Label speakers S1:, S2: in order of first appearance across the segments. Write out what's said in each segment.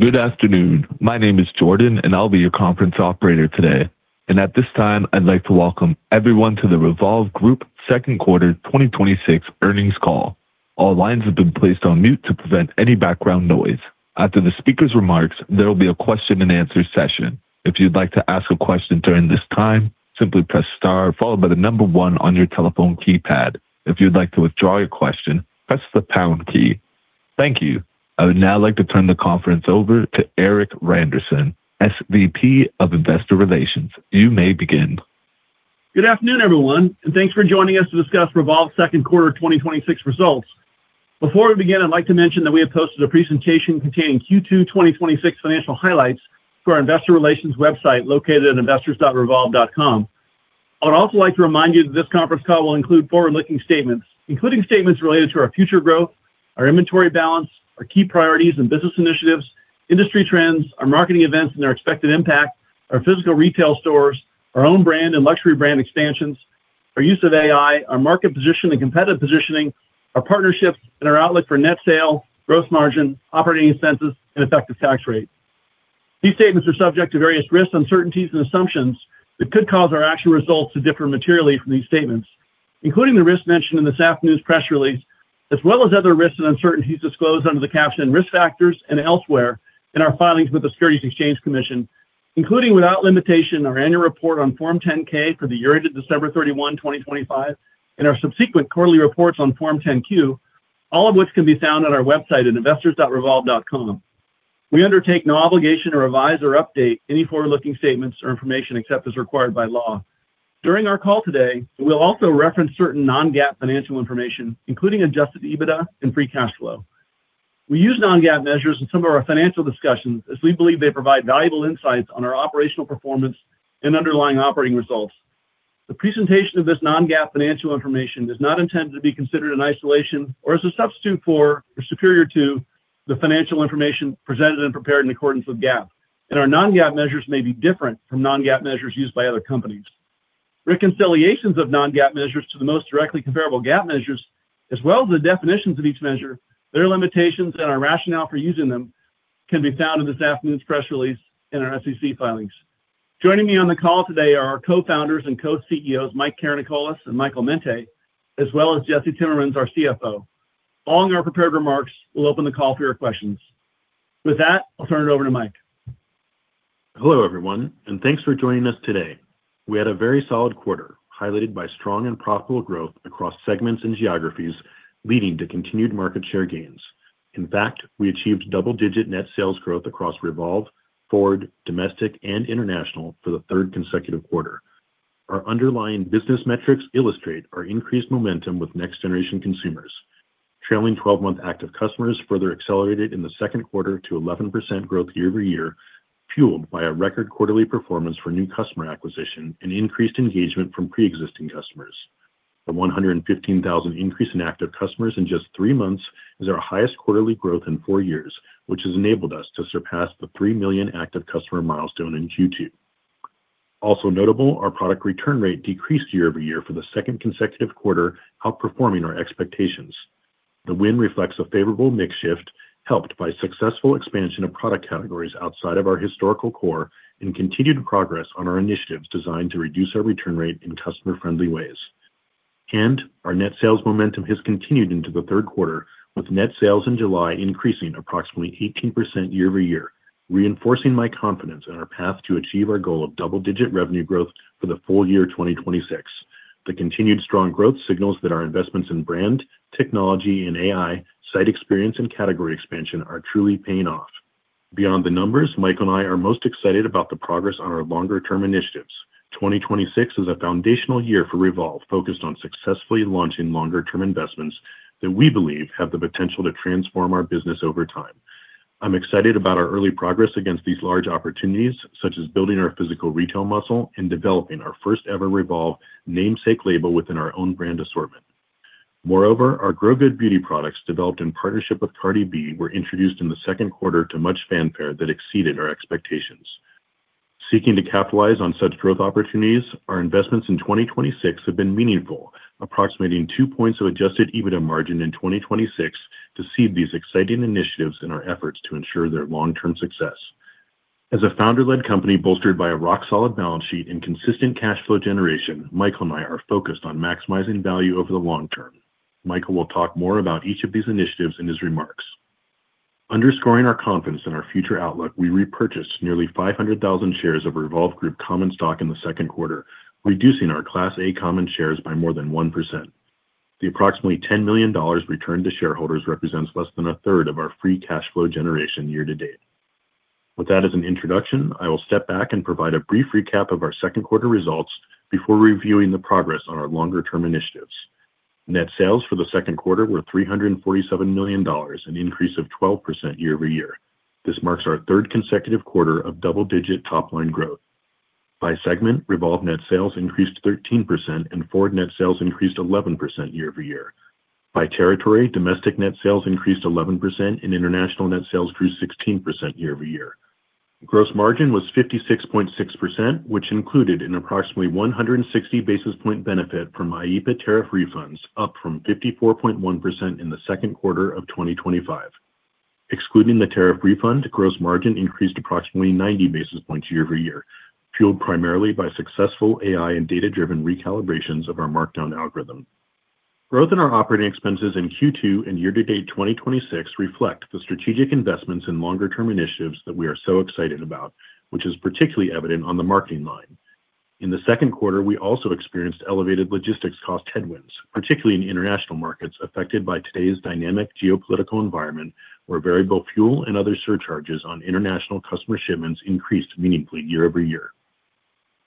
S1: Good afternoon. My name is Jordan, and I'll be your conference operator today. At this time, I'd like to welcome everyone to the Revolve Group Second Quarter 2026 Earnings Call. All lines have been placed on mute to prevent any background noise. After the speaker's remarks, there will be a question-and-answer session. If you'd like to ask a question during this time, simply press star followed by the number one on your telephone keypad. If you'd like to withdraw your question, press the pound key. Thank you. I would now like to turn the conference over to Erik Randerson, SVP of Investor Relations. You may begin.
S2: Good afternoon, everyone. Thanks for joining us to discuss REVOLVE's second quarter 2026 results. Before we begin, I'd like to mention that we have posted a presentation containing Q2 2026 financial highlights to our Investor Relations website located at investors.revolve.com. I would also like to remind you that this conference call will include forward-looking statements, including statements related to our future growth, our inventory balance, our key priorities and business initiatives, industry trends, our marketing events and their expected impact, our physical retail stores, our own brand and luxury brand expansions, our use of AI, our market position and competitive positioning, our partnerships, and our outlook for net sale, gross margin, operating expenses, and effective tax rate. These statements are subject to various risks, uncertainties and assumptions that could cause our actual results to differ materially from these statements, including the risks mentioned in this afternoon's press release, as well as other risks and uncertainties disclosed under the caption Risk Factors and elsewhere in our filings with the Securities and Exchange Commission, including, without limitation, our annual report on Form 10-K for the year ended December 31, 2025, and our subsequent quarterly reports on Form 10-Q, all of which can be found on our website at investors.revolve.com. We undertake no obligation to revise or update any forward-looking statements or information except as required by law. During our call today, we'll also reference certain non-GAAP financial information, including adjusted EBITDA and free cash flow. We use non-GAAP measures in some of our financial discussions as we believe they provide valuable insights on our operational performance and underlying operating results. The presentation of this non-GAAP financial information is not intended to be considered in isolation or as a substitute for or superior to the financial information presented and prepared in accordance with GAAP. Our non-GAAP measures may be different from non-GAAP measures used by other companies. Reconciliations of non-GAAP measures to the most directly comparable GAAP measures, as well as the definitions of each measure, their limitations, and our rationale for using them can be found in this afternoon's press release and our SEC filings. Joining me on the call today are our Co-Founders and Co-CEOs, Mike Karanikolas and Michael Mente, as well as Jesse Timmermans, our CFO. Following our prepared remarks, we'll open the call for your questions. With that, I'll turn it over to Mike.
S3: Hello, everyone, and thanks for joining us today. We had a very solid quarter, highlighted by strong and profitable growth across segments and geographies, leading to continued market share gains. We achieved double-digit net sales growth across REVOLVE, FWRD, Domestic, and International for the third consecutive quarter. Our underlying business metrics illustrate our increased momentum with next-generation consumers. Trailing 12-month active customers further accelerated in the second quarter to 11% growth year-over-year, fueled by a record quarterly performance for new customer acquisition and increased engagement from pre-existing customers. The 115,000 increase in active customers in just three months is our highest quarterly growth in four years, which has enabled us to surpass the 3 million active customer milestone in Q2. Also notable, our product return rate decreased year-over-year for the second consecutive quarter, outperforming our expectations. The win reflects a favorable mix shift, helped by successful expansion of product categories outside of our historical core and continued progress on our initiatives designed to reduce our return rate in customer-friendly ways. Our net sales momentum has continued into the third quarter, with net sales in July increasing approximately 18% year-over-year, reinforcing my confidence in our path to achieve our goal of double-digit revenue growth for the full year 2026. The continued strong growth signals that our investments in brand, technology and AI, site experience, and category expansion are truly paying off. Beyond the numbers, Mike and I are most excited about the progress on our longer-term initiatives. 2026 is a foundational year for REVOLVE, focused on successfully launching longer-term investments that we believe have the potential to transform our business over time. I'm excited about our early progress against these large opportunities, such as building our physical retail muscle and developing our first ever REVOLVE namesake label within our own brand assortment. Our Grow-Good Beauty products, developed in partnership with Cardi B, were introduced in the second quarter to much fanfare that exceeded our expectations. Seeking to capitalize on such growth opportunities, our investments in 2026 have been meaningful, approximating two points of adjusted EBITDA margin in 2026 to seed these exciting initiatives in our efforts to ensure their long-term success. As a founder-led company bolstered by a rock-solid balance sheet and consistent cash flow generation, Mike and I are focused on maximizing value over the long term. Michael will talk more about each of these initiatives in his remarks. Underscoring our confidence in our future outlook, we repurchased nearly 500,000 shares of Revolve Group common stock in the second quarter, reducing our Class A common shares by more than 1%. The approximately $10 million returned to shareholders represents less than a third of our free cash flow generation year-to-date. With that as an introduction, I will step back and provide a brief recap of our second quarter results before reviewing the progress on our longer-term initiatives. Net sales for the second quarter were $347 million, an increase of 12% year-over-year. This marks our third consecutive quarter of double-digit top-line growth. By segment, REVOLVE net sales increased 13%, and FWRD net sales increased 11% year-over-year. By territory, Domestic net sales increased 11%, and International net sales grew 16% year-over-year. Gross margin was 56.6%, which included an approximately 160 basis point benefit from IEEPA tariff refunds, up from 54.1% in the second quarter of 2025. Excluding the tariff refund, gross margin increased approximately 90 basis points year-over-year, fueled primarily by successful AI and data-driven recalibrations of our markdown algorithm. Growth in our operating expenses in Q2 and year to date 2026 reflect the strategic investments in longer term initiatives that we are so excited about, which is particularly evident on the marketing line. In the second quarter, we also experienced elevated logistics cost headwinds, particularly in the international markets affected by today's dynamic geopolitical environment, where variable fuel and other surcharges on international customer shipments increased meaningfully year-over-year.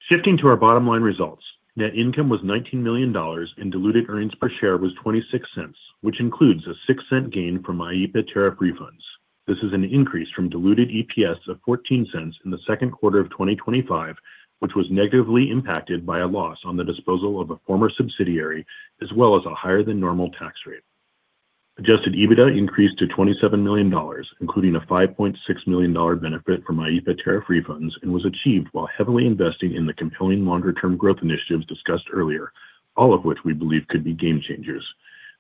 S3: Shifting to our bottom line results, net income was $19 million, and diluted earnings per share was $0.26, which includes a $0.06 gain from IEEPA tariff refunds. This is an increase from diluted EPS of $0.14 in the second quarter of 2025, which was negatively impacted by a loss on the disposal of a former subsidiary, as well as a higher than normal tax rate. Adjusted EBITDA increased to $27 million, including a $5.6 million benefit from IEEPA tariff refunds, and was achieved while heavily investing in the compelling longer term growth initiatives discussed earlier, all of which we believe could be game changers.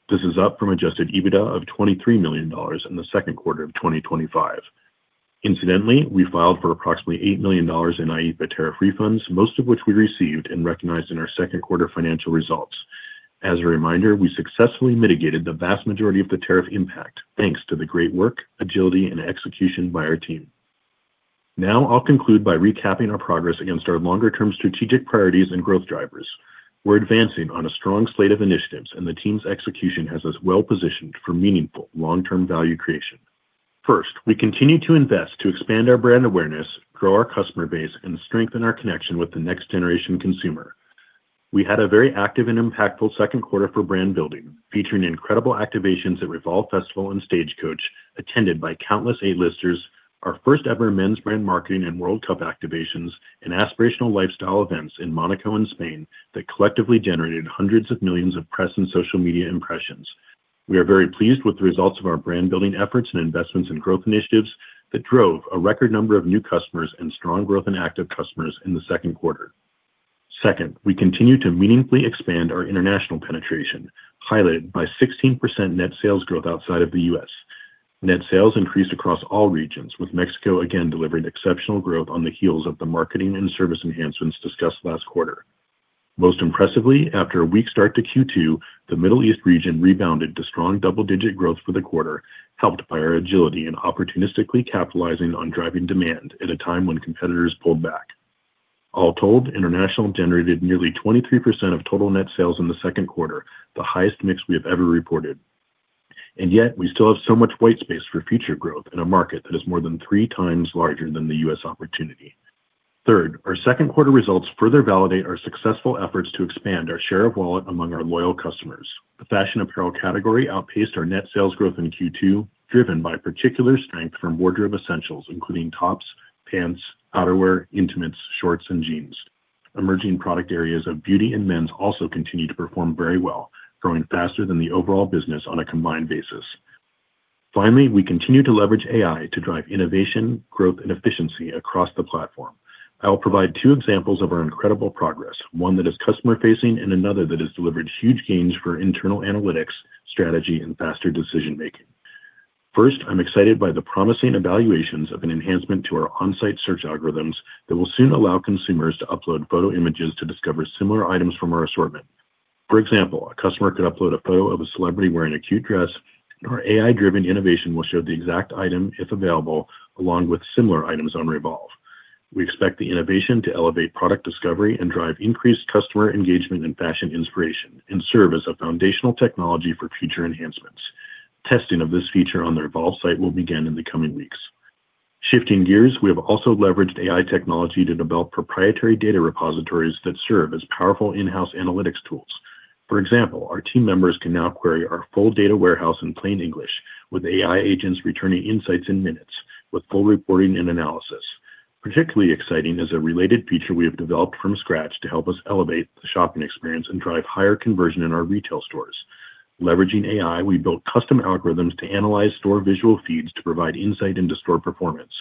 S3: This is up from adjusted EBITDA of $23 million in the second quarter of 2025. Incidentally, we filed for approximately $8 million in IEEPA tariff refunds, most of which we received and recognized in our second quarter financial results. As a reminder, we successfully mitigated the vast majority of the tariff impact, thanks to the great work, agility, and execution by our team. I'll conclude by recapping our progress against our longer term strategic priorities and growth drivers. We're advancing on a strong slate of initiatives, and the team's execution has us well positioned for meaningful long-term value creation. First, we continue to invest to expand our brand awareness, grow our customer base, and strengthen our connection with the next generation consumer. We had a very active and impactful second quarter for brand building, featuring incredible activations at REVOLVE Festival and Stagecoach, attended by countless A-listers. Our first ever men's brand marketing and World Cup activations and aspirational lifestyle events in Monaco and Spain that collectively generated hundreds of millions of press and social media impressions. We are very pleased with the results of our brand-building efforts and investments in growth initiatives that drove a record number of new customers and strong growth in active customers in the second quarter. Second, we continue to meaningfully expand our international penetration, highlighted by 16% net sales growth outside of the U.S. Net sales increased across all regions, with Mexico again delivering exceptional growth on the heels of the marketing and service enhancements discussed last quarter. Most impressively, after a weak start to Q2, the Middle East region rebounded to strong double-digit growth for the quarter, helped by our agility and opportunistically capitalizing on driving demand at a time when competitors pulled back. All told, international generated nearly 23% of total net sales in the second quarter, the highest mix we have ever reported. Yet, we still have so much white space for future growth in a market that is more than 3x larger than the U.S. opportunity. Third, our second quarter results further validate our successful efforts to expand our share of wallet among our loyal customers. The fashion apparel category outpaced our net sales growth in Q2, driven by particular strength from wardrobe essentials including tops, pants, outerwear, intimates, shorts, and jeans. Emerging product areas of beauty and men's also continue to perform very well, growing faster than the overall business on a combined basis. Finally, we continue to leverage AI to drive innovation, growth, and efficiency across the platform. I will provide two examples of our incredible progress, one that is customer-facing and another that has delivered huge gains for internal analytics, strategy, and faster decision-making. First, I'm excited by the promising evaluations of an enhancement to our on-site search algorithms that will soon allow consumers to upload photo images to discover similar items from our assortment. For example, a customer could upload a photo of a celebrity wearing a cute dress, our AI-driven innovation will show the exact item, if available, along with similar items on REVOLVE. We expect the innovation to elevate product discovery and drive increased customer engagement and fashion inspiration and serve as a foundational technology for future enhancements. Testing of this feature on the REVOLVE site will begin in the coming weeks. Shifting gears, we have also leveraged AI technology to develop proprietary data repositories that serve as powerful in-house analytics tools. For example, our team members can now query our full data warehouse in plain English, with AI agents returning insights in minutes with full reporting and analysis. Particularly exciting is a related feature we have developed from scratch to help us elevate the shopping experience and drive higher conversion in our retail stores. Leveraging AI, we built custom algorithms to analyze store visual feeds to provide insight into store performance.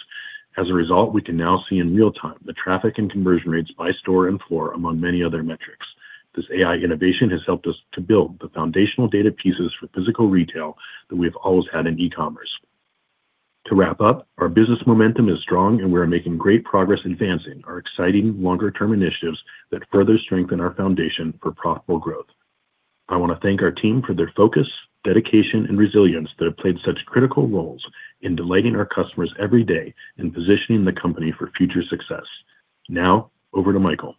S3: As a result, we can now see in real time the traffic and conversion rates by store and floor, among many other metrics. This AI innovation has helped us to build the foundational data pieces for physical retail that we have always had in e-commerce. To wrap up, our business momentum is strong, we are making great progress advancing our exciting longer term initiatives that further strengthen our foundation for profitable growth. I want to thank our team for their focus, dedication, and resilience that have played such critical roles in delighting our customers every day in positioning the company for future success. Over to Michael.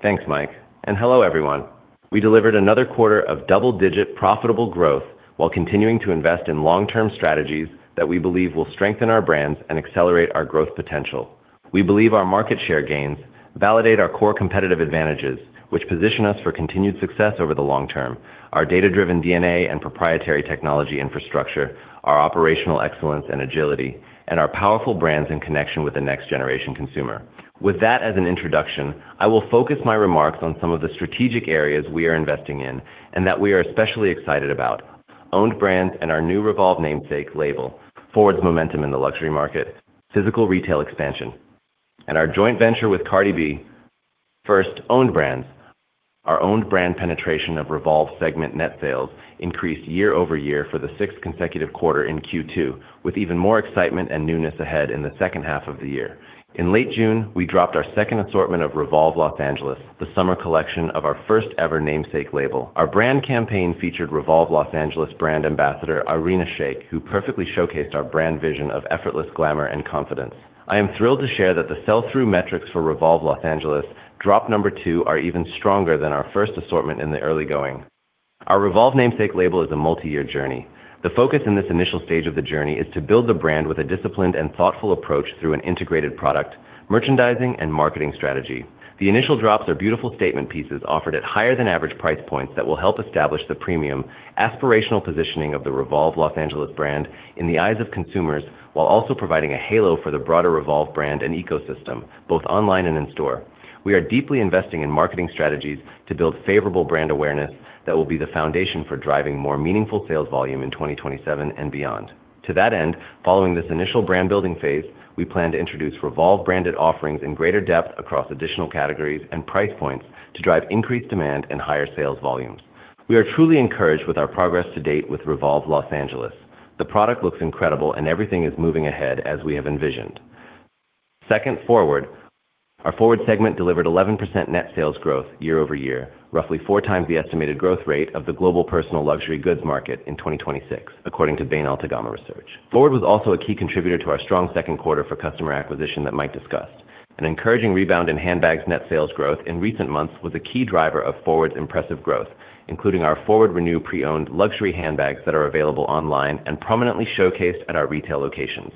S4: Thanks, Mike, and hello, everyone. We delivered another quarter of double-digit profitable growth while continuing to invest in long-term strategies that we believe will strengthen our brands and accelerate our growth potential. We believe our market share gains validate our core competitive advantages, which position us for continued success over the long term. Our data-driven DNA and proprietary technology infrastructure, our operational excellence and agility, and our powerful brands in connection with the next generation consumer. With that as an introduction, I will focus my remarks on some of the strategic areas we are investing in and that we are especially excited about. Owned brands and our new REVOLVE namesake label. FWRD's momentum in the luxury market, physical retail expansion, and our joint venture with Cardi B. First, owned brands. Our owned brand penetration of REVOLVE segment net sales increased year-over-year for the sixth consecutive quarter in Q2, with even more excitement and newness ahead in the second half of the year. In late June, we dropped our second assortment of REVOLVE Los Angeles, the summer collection of our first-ever namesake label. Our brand campaign featured REVOLVE Los Angeles brand ambassador Irina Shayk, who perfectly showcased our brand vision of effortless glamour and confidence. I am thrilled to share that the sell-through metrics for REVOLVE Los Angeles drop number two are even stronger than our first assortment in the early going. Our REVOLVE namesake label is a multi-year journey. The focus in this initial stage of the journey is to build the brand with a disciplined and thoughtful approach through an integrated product, merchandising, and marketing strategy. The initial drops are beautiful statement pieces offered at higher than average price points that will help establish the premium, aspirational positioning of the REVOLVE Los Angeles brand in the eyes of consumers, while also providing a halo for the broader REVOLVE brand and ecosystem, both online and in store. We are deeply investing in marketing strategies to build favorable brand awareness that will be the foundation for driving more meaningful sales volume in 2027 and beyond. To that end, following this initial brand-building phase, we plan to introduce REVOLVE-branded offerings in greater depth across additional categories and price points to drive increased demand and higher sales volumes. We are truly encouraged with our progress to date with REVOLVE Los Angeles. The product looks incredible and everything is moving ahead as we have envisioned. Second, FWRD. Our FWRD segment delivered 11% net sales growth year-over-year, roughly 4x the estimated growth rate of the global personal luxury goods market in 2026, according to Bain-Altagamma research. FWRD was also a key contributor to our strong second quarter for customer acquisition that Mike discussed. An encouraging rebound in handbags net sales growth in recent months was a key driver of FWRD's impressive growth, including our FWRD Renew pre-owned luxury handbags that are available online and prominently showcased at our retail locations.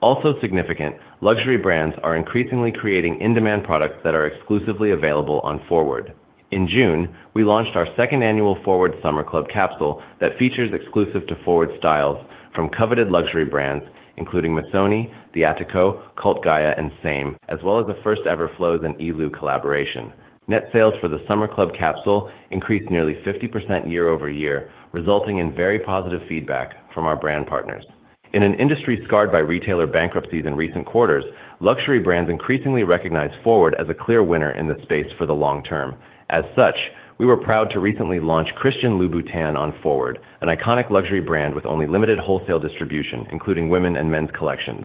S4: Also significant, luxury brands are increasingly creating in-demand products that are exclusively available on FWRD. In June, we launched our second annual FWRD Summer Club capsule that features exclusive-to-FWRD styles from coveted luxury brands, including Missoni, The Attico, Cult Gaia, and SAME, as well as the first-ever Flòwze and Éliou collaboration. Net sales for the FWRD Summer Club capsule increased nearly 50% year-over-year, resulting in very positive feedback from our brand partners. In an industry scarred by retailer bankruptcies in recent quarters, luxury brands increasingly recognize FWRD as a clear winner in this space for the long term. As such, we were proud to recently launch Christian Louboutin on FWRD, an iconic luxury brand with only limited wholesale distribution, including women and men's collections.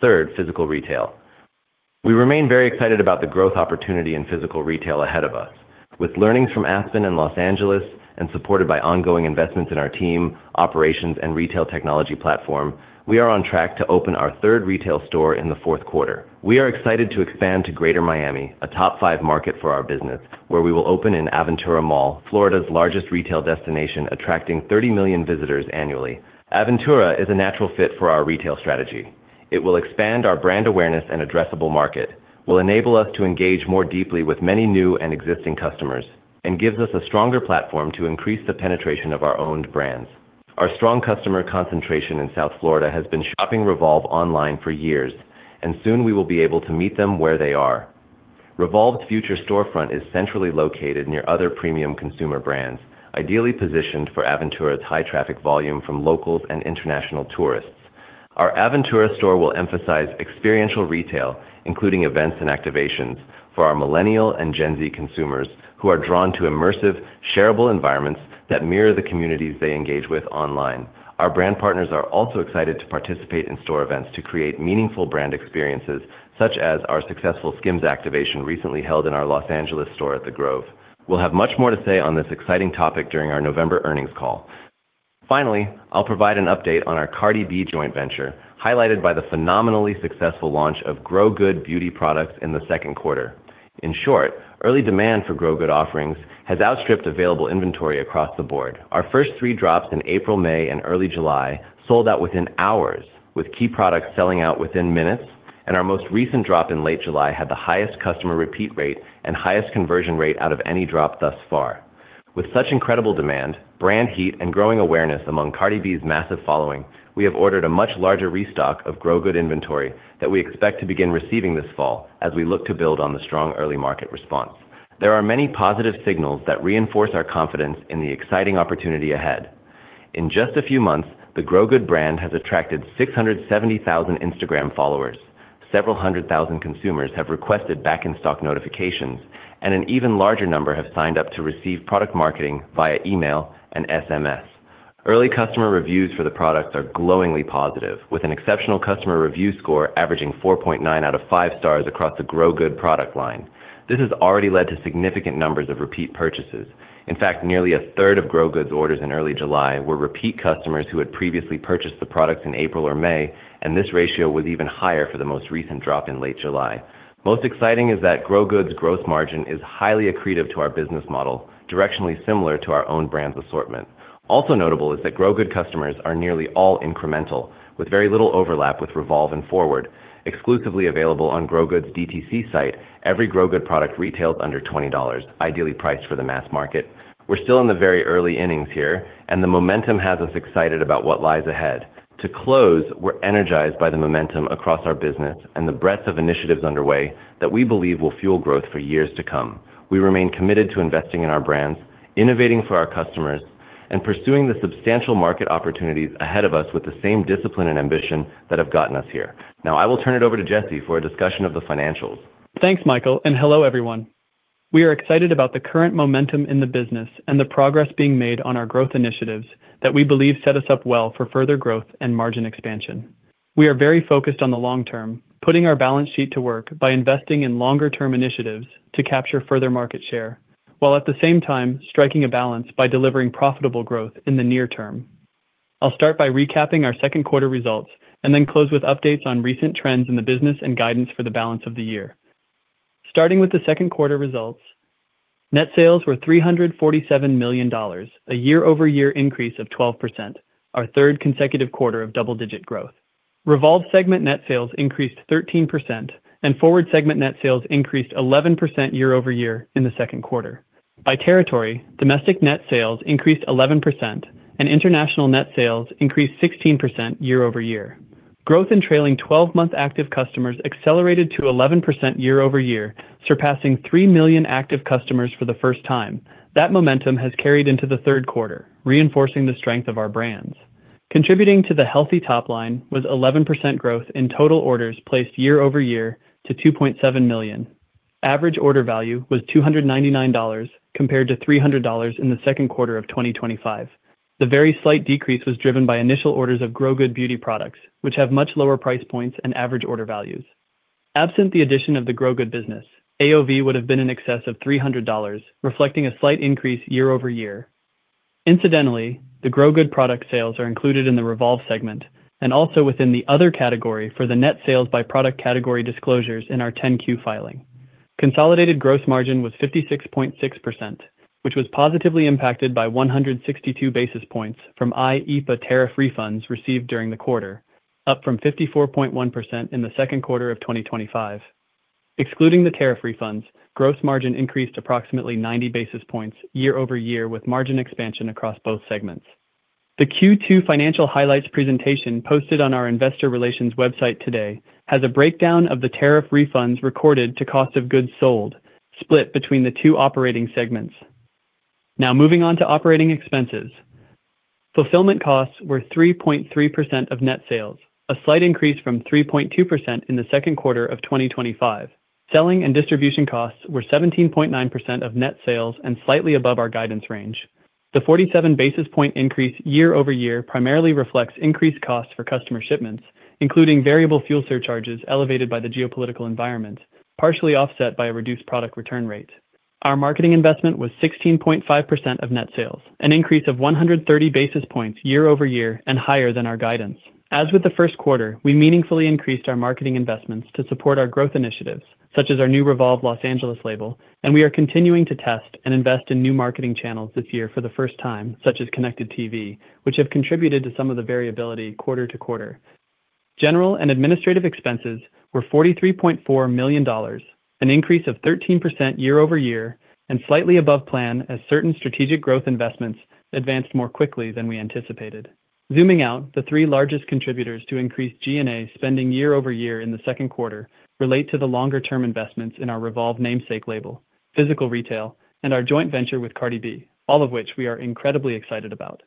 S4: Third, physical retail. We remain very excited about the growth opportunity in physical retail ahead of us. With learnings from Aspen and Los Angeles, and supported by ongoing investments in our team, operations, and retail technology platform, we are on track to open our third retail store in the fourth quarter. We are excited to expand to Greater Miami, a top five market for our business, where we will open in Aventura Mall, Florida's largest retail destination, attracting 30 million visitors annually. Aventura is a natural fit for our retail strategy. It will expand our brand awareness and addressable market, will enable us to engage more deeply with many new and existing customers, and gives us a stronger platform to increase the penetration of our owned brands. Our strong customer concentration in South Florida has been shopping REVOLVE online for years, and soon we will be able to meet them where they are. REVOLVE's future storefront is centrally located near other premium consumer brands, ideally positioned for Aventura's high traffic volume from locals and international tourists. Our Aventura store will emphasize experiential retail, including events and activations for our Millennial and Gen Z consumers who are drawn to immersive, shareable environments that mirror the communities they engage with online. Our brand partners are also excited to participate in store events to create meaningful brand experiences, such as our successful SKIMS activation recently held in our Los Angeles store at The Grove. We'll have much more to say on this exciting topic during our November earnings call. Finally, I'll provide an update on our Cardi B joint venture, highlighted by the phenomenally successful launch of Grow-Good beauty products in the second quarter. In short, early demand for Grow-Good offerings has outstripped available inventory across the board. Our first three drops in April, May, and early July sold out within hours, with key products selling out within minutes, and our most recent drop in late July had the highest customer repeat rate and highest conversion rate out of any drop thus far. With such incredible demand, brand heat, and growing awareness among Cardi B's massive following, we have ordered a much larger restock of Grow-Good inventory that we expect to begin receiving this fall as we look to build on the strong early market response. There are many positive signals that reinforce our confidence in the exciting opportunity ahead. In just a few months, the Grow-Good brand has attracted 670,000 Instagram followers. Several hundred thousand consumers have requested back-in-stock notifications, and an even larger number have signed up to receive product marketing via email and SMS. Early customer reviews for the products are glowingly positive, with an exceptional customer review score averaging 4.9 out of 5 stars across the Grow-Good product line. This has already led to significant numbers of repeat purchases. In fact, nearly a third of Grow-Good's orders in early July were repeat customers who had previously purchased the products in April or May, and this ratio was even higher for the most recent drop in late July. Most exciting is that Grow-Good's growth margin is highly accretive to our business model, directionally similar to our own brands assortment. Also notable is that Grow-Good customers are nearly all incremental, with very little overlap with REVOLVE and FWRD. Exclusively available on Grow-Good's DTC site, every Grow-Good product retails under $20, ideally priced for the mass market. We're still in the very early innings here, and the momentum has us excited about what lies ahead. To close, we're energized by the momentum across our business and the breadth of initiatives underway that we believe will fuel growth for years to come. We remain committed to investing in our brands, innovating for our customers. Pursuing the substantial market opportunities ahead of us with the same discipline and ambition that have gotten us here. Now, I will turn it over to Jesse for a discussion of the financials.
S5: Thanks, Michael, and hello, everyone. We are excited about the current momentum in the business and the progress being made on our growth initiatives that we believe set us up well for further growth and margin expansion. We are very focused on the long term, putting our balance sheet to work by investing in longer-term initiatives to capture further market share, while at the same time striking a balance by delivering profitable growth in the near term. I'll start by recapping our second quarter results and then close with updates on recent trends in the business and guidance for the balance of the year. Starting with the second quarter results, net sales were $347 million, a year-over-year increase of 12%, our third consecutive quarter of double-digit growth. REVOLVE segment net sales increased 13%, and FWRD segment net sales increased 11% year-over-year in the second quarter. By territory, domestic net sales increased 11%, and international net sales increased 16% year-over-year. Growth in trailing 12-month active customers accelerated to 11% year-over-year, surpassing 3 million active customers for the first time. That momentum has carried into the third quarter, reinforcing the strength of our brands. Contributing to the healthy top line was 11% growth in total orders placed year-over-year to 2.7 million. Average order value was $299, compared to $300 in the second quarter of 2025. The very slight decrease was driven by initial orders of Grow-Good Beauty products, which have much lower price points and average order values. Absent the addition of the Grow-Good business, AOV would have been in excess of $300, reflecting a slight increase year-over-year. Incidentally, the Grow-Good product sales are included in the REVOLVE segment and also within the other category for the net sales by product category disclosures in our 10-Q filing. Consolidated gross margin was 56.6%, which was positively impacted by 162 basis points from IEEPA tariff refunds received during the quarter, up from 54.1% in the second quarter of 2025. Excluding the tariff refunds, gross margin increased approximately 90 basis points year-over-year with margin expansion across both segments. The Q2 financial highlights presentation posted on our investor relations website today has a breakdown of the tariff refunds recorded to cost of goods sold, split between the two operating segments. Moving on to operating expenses. Fulfillment costs were 3.3% of net sales, a slight increase from 3.2% in the second quarter of 2025. Selling and distribution costs were 17.9% of net sales and slightly above our guidance range. The 47 basis point increase year-over-year primarily reflects increased costs for customer shipments, including variable fuel surcharges elevated by the geopolitical environment, partially offset by a reduced product return rate. Our marketing investment was 16.5% of net sales, an increase of 130 basis points year-over-year and higher than our guidance. As with the first quarter, we meaningfully increased our marketing investments to support our growth initiatives, such as our new REVOLVE Los Angeles label, and we are continuing to test and invest in new marketing channels this year for the first time, such as connected TV, which have contributed to some of the variability quarter to quarter. General and administrative expenses were $43.4 million, an increase of 13% year-over-year and slightly above plan as certain strategic growth investments advanced more quickly than we anticipated. Zooming out, the three largest contributors to increased G&A spending year-over-year in the second quarter relate to the longer-term investments in our REVOLVE namesake label, physical retail, and our joint venture with Cardi B, all of which we are incredibly excited about.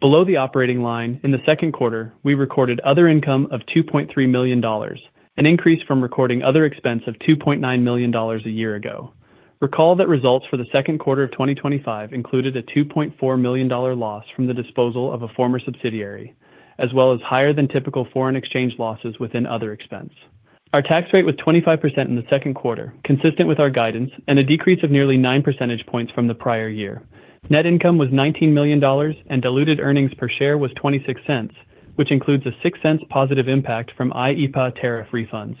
S5: Below the operating line, in the second quarter, we recorded other income of $2.3 million, an increase from recording other expense of $2.9 million a year ago. Recall that results for the second quarter of 2025 included a $2.4 million loss from the disposal of a former subsidiary, as well as higher than typical foreign exchange losses within other expense. Our tax rate was 25% in the second quarter, consistent with our guidance and a decrease of nearly 9 percentage points from the prior year. Net income was $19 million, and diluted earnings per share was $0.26, which includes a $0.06 positive impact from IEEPA tariff refunds.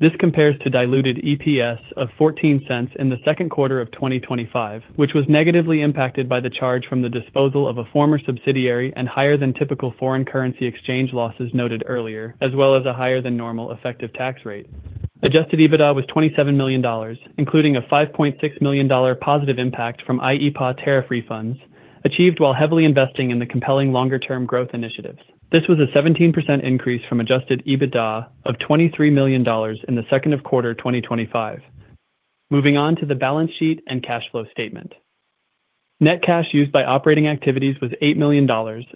S5: This compares to diluted EPS of $0.14 in the second quarter of 2025, which was negatively impacted by the charge from the disposal of a former subsidiary and higher than typical foreign currency exchange losses noted earlier, as well as a higher than normal effective tax rate. Adjusted EBITDA was $27 million, including a $5.6 million positive impact from IEEPA tariff refunds, achieved while heavily investing in the compelling longer-term growth initiatives. This was a 17% increase from adjusted EBITDA of $23 million in the second quarter of 2025. Moving on to the balance sheet and cash flow statement. Net cash used by operating activities was $8 million,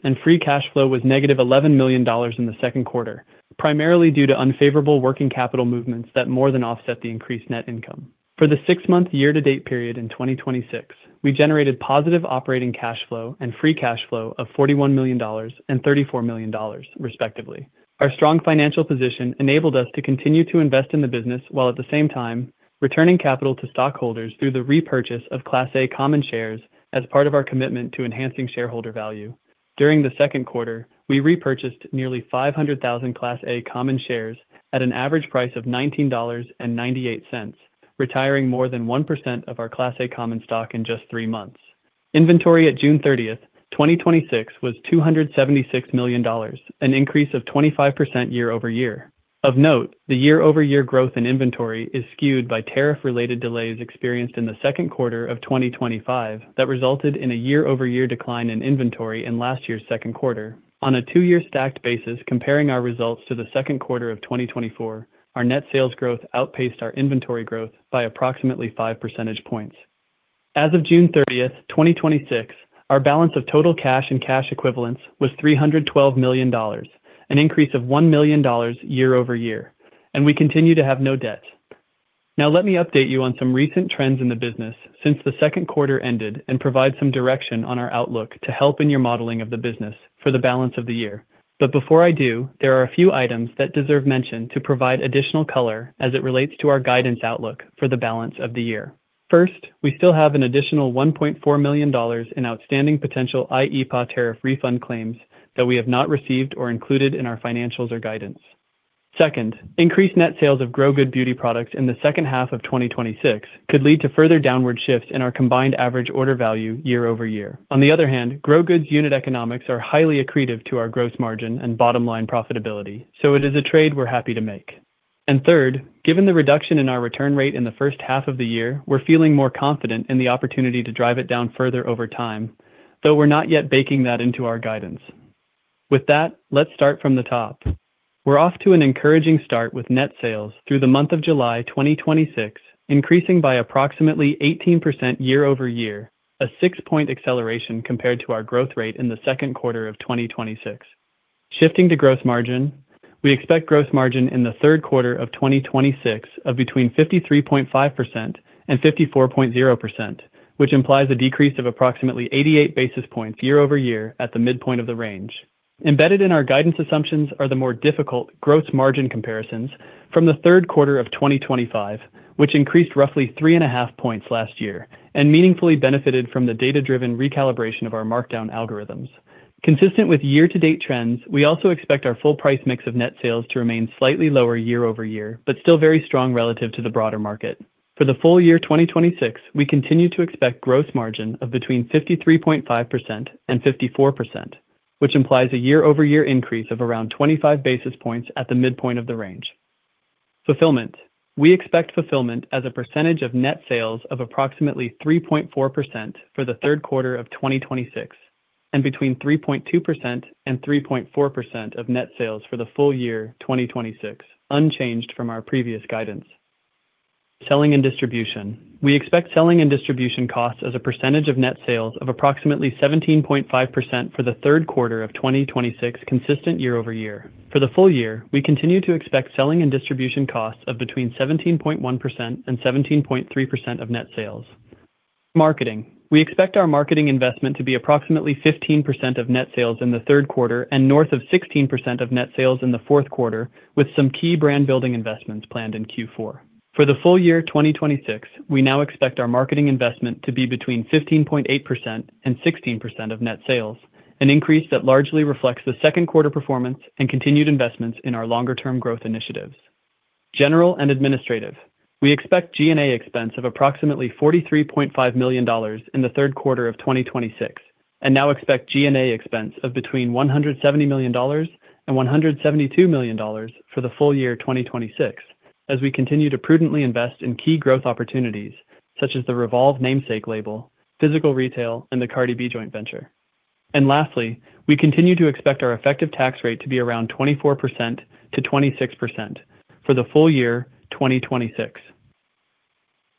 S5: and free cash flow was -$11 million in the second quarter, primarily due to unfavorable working capital movements that more than offset the increased net income. For the six-month year-to-date period in 2026, we generated positive operating cash flow and free cash flow of $41 million and $34 million, respectively. Our strong financial position enabled us to continue to invest in the business, while at the same time, returning capital to stockholders through the repurchase of Class A common shares as part of our commitment to enhancing shareholder value. During the second quarter, we repurchased nearly 500,000 Class A common shares at an average price of $19.98, retiring more than 1% of our Class A common stock in just three months. Inventory at June 30th, 2026, was $276 million, an increase of 25% year-over-year. Of note, the year-over-year growth in inventory is skewed by tariff-related delays experienced in the second quarter of 2025 that resulted in a year-over-year decline in inventory in last year's second quarter. On a two-year stacked basis comparing our results to the second quarter of 2024, our net sales growth outpaced our inventory growth by approximately 5 percentage points. As of June 30th, 2026, our balance of total cash and cash equivalents was $312 million, an increase of $1 million year-over-year, and we continue to have no debt. Let me update you on some recent trends in the business since the second quarter ended and provide some direction on our outlook to help in your modeling of the business for the balance of the year. Before I do, there are a few items that deserve mention to provide additional color as it relates to our guidance outlook for the balance of the year. First, we still have an additional $1.4 million in outstanding potential IEEPA tariff refund claims that we have not received or included in our financials or guidance. Second, increased net sales of Grow-Good Beauty products in the second half of 2026 could lead to further downward shifts in our combined average order value year-over-year. On the other hand, Grow-Good's unit economics are highly accretive to our gross margin and bottom-line profitability. It is a trade we're happy to make. Third, given the reduction in our return rate in the first half of the year, we're feeling more confident in the opportunity to drive it down further over time, though we're not yet baking that into our guidance. With that, let's start from the top. We're off to an encouraging start with net sales through the month of July 2026, increasing by approximately 18% year-over-year, a six-point acceleration compared to our growth rate in the second quarter of 2026. Shifting to gross margin, we expect gross margin in the third quarter of 2026 of between 53.5% and 54.0%, which implies a decrease of approximately 88 basis points year-over-year at the midpoint of the range. Embedded in our guidance assumptions are the more difficult gross margin comparisons from the third quarter of 2025, which increased roughly three and a half points last year, and meaningfully benefited from the data-driven recalibration of our markdown algorithms. Consistent with year-to-date trends, we also expect our full price mix of net sales to remain slightly lower year-over-year, but still very strong relative to the broader market. For the full year 2026, we continue to expect gross margin of between 53.5% and 54%, which implies a year-over-year increase of around 25 basis points at the midpoint of the range. Fulfillment. We expect fulfillment as a percentage of net sales of approximately 3.4% for the third quarter of 2026, and between 3.2% and 3.4% of net sales for the full year 2026, unchanged from our previous guidance. Selling and distribution. We expect selling and distribution costs as a percentage of net sales of approximately 17.5% for the third quarter of 2026, consistent year-over-year. For the full year, we continue to expect selling and distribution costs of between 17.1% and 17.3% of net sales. Marketing. We expect our marketing investment to be approximately 15% of net sales in the third quarter and north of 16% of net sales in the fourth quarter, with some key brand-building investments planned in Q4. For the full year 2026, we now expect our marketing investment to be between 15.8% and 16% of net sales, an increase that largely reflects the second quarter performance and continued investments in our longer-term growth initiatives. General and administrative. We expect G&A expense of approximately $43.5 million in the third quarter of 2026, and now expect G&A expense of between $170 million and $172 million for the full year 2026, as we continue to prudently invest in key growth opportunities, such as the Revolve namesake label, physical retail, and the Cardi B joint venture. Lastly, we continue to expect our effective tax rate to be around 24%-26% for the full year 2026.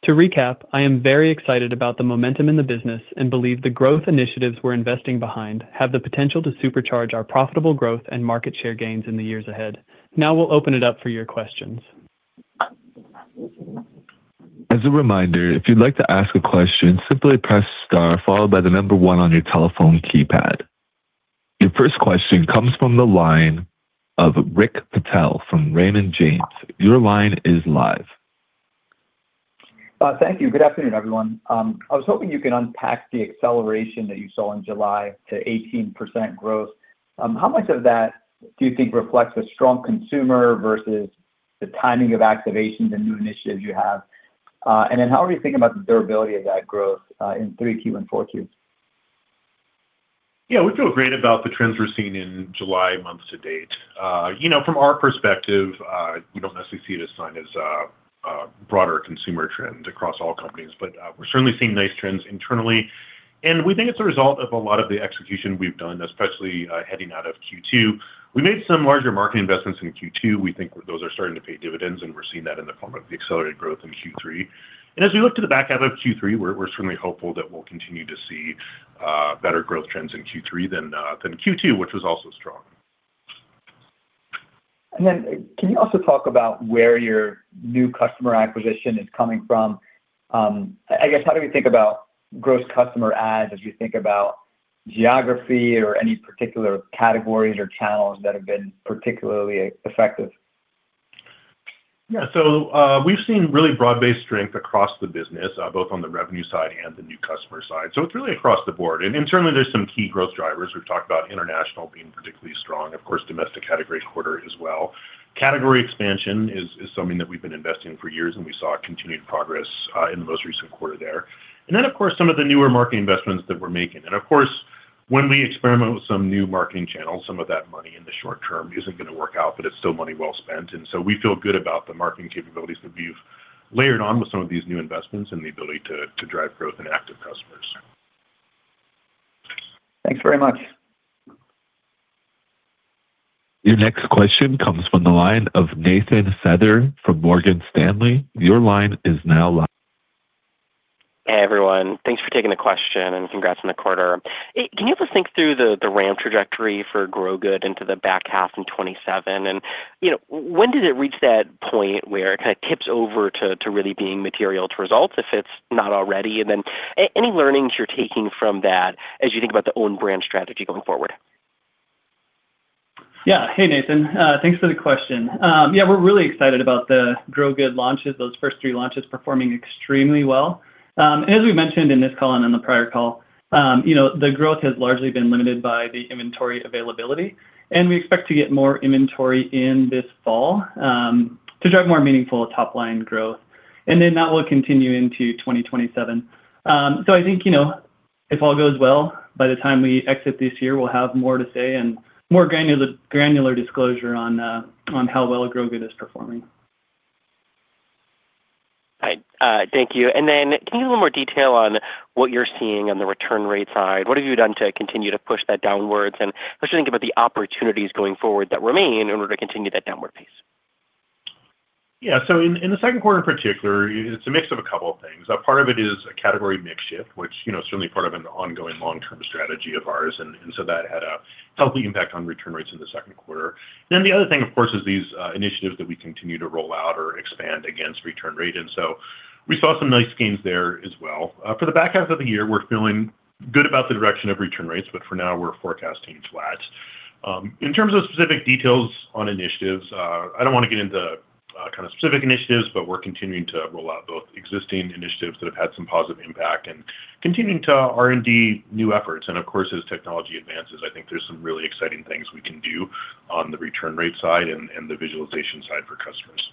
S5: To recap, I am very excited about the momentum in the business and believe the growth initiatives we're investing behind have the potential to supercharge our profitable growth and market share gains in the years ahead. Now we'll open it up for your questions.
S1: As a reminder, if you'd like to ask a question, simply press star followed by the number one on your telephone keypad. Your first question comes from the line of Rick Patel from Raymond James. Your line is live.
S6: Thank you. Good afternoon, everyone. I was hoping you could unpack the acceleration that you saw in July to 18% growth. How much of that do you think reflects a strong consumer versus the timing of activations and new initiatives you have? How are you thinking about the durability of that growth in 3Q and 4Q?
S3: Yeah, we feel great about the trends we're seeing in July month to date. From our perspective, we don't necessarily see it as sign of a broader consumer trend across all companies. We're certainly seeing nice trends internally, and we think it's a result of a lot of the execution we've done, especially heading out of Q2. We made some larger marketing investments in Q2. We think those are starting to pay dividends, and we're seeing that in the form of the accelerated growth in Q3. As we look to the back half of Q3, we're certainly hopeful that we'll continue to see better growth trends in Q3 than Q2, which was also strong.
S6: Can you also talk about where your new customer acquisition is coming from? I guess, how do we think about gross customer adds as we think about geography or any particular categories or channels that have been particularly effective?
S3: Yeah. We've seen really broad-based strength across the business, both on the revenue side and the new customer side. It's really across the board. Internally, there's some key growth drivers. We've talked about international being particularly strong. Of course, domestic had a great quarter as well. Category expansion is something that we've been investing in for years, and we saw continued progress in the most recent quarter there. Of course, some of the newer marketing investments that we're making. Of course, when we experiment with some new marketing channels, some of that money in the short term isn't going to work out, but it's still money well spent. We feel good about the marketing capabilities that we've layered on with some of these new investments and the ability to drive growth and activate customers
S6: Thanks very much.
S1: Your next question comes from the line of Nathan Feather from Morgan Stanley. Your line is now live.
S7: Hey, everyone. Thanks for taking the question. Congrats on the quarter. Can you help us think through the ramp trajectory for Grow-Good into the back half in 2027? When did it reach that point where it kind of tips over to really being material to results, if it's not already? Then any learnings you're taking from that as you think about the own brand strategy going forward?
S5: Hey, Nathan. Thanks for the question. We're really excited about the Grow-Good launches, those first three launches performing extremely well. As we mentioned in this call and on the prior call, the growth has largely been limited by the inventory availability. We expect to get more inventory in this fall to drive more meaningful top-line growth. Then that will continue into 2027. I think, if all goes well, by the time we exit this year, we'll have more to say and more granular disclosure on how well Grow-Good is performing.
S7: All right. Thank you. Can you give a little more detail on what you're seeing on the return rate side? What have you done to continue to push that downwards? Especially think about the opportunities going forward that remain in order to continue that downward pace.
S3: Yeah. In the second quarter in particular, it's a mix of a couple of things. Part of it is a category mix shift, which is certainly part of an ongoing long-term strategy of ours. That had a healthy impact on return rates in the second quarter. The other thing, of course, is these initiatives that we continue to roll out or expand against return rate. We saw some nice gains there as well. For the back half of the year, we're feeling good about the direction of return rates, but for now, we're forecasting flat. In terms of specific details on initiatives, I don't want to get into specific initiatives, but we're continuing to roll out both existing initiatives that have had some positive impact and continuing to R&D new efforts. Of course, as technology advances, I think there's some really exciting things we can do on the return rate side and the visualization side for customers.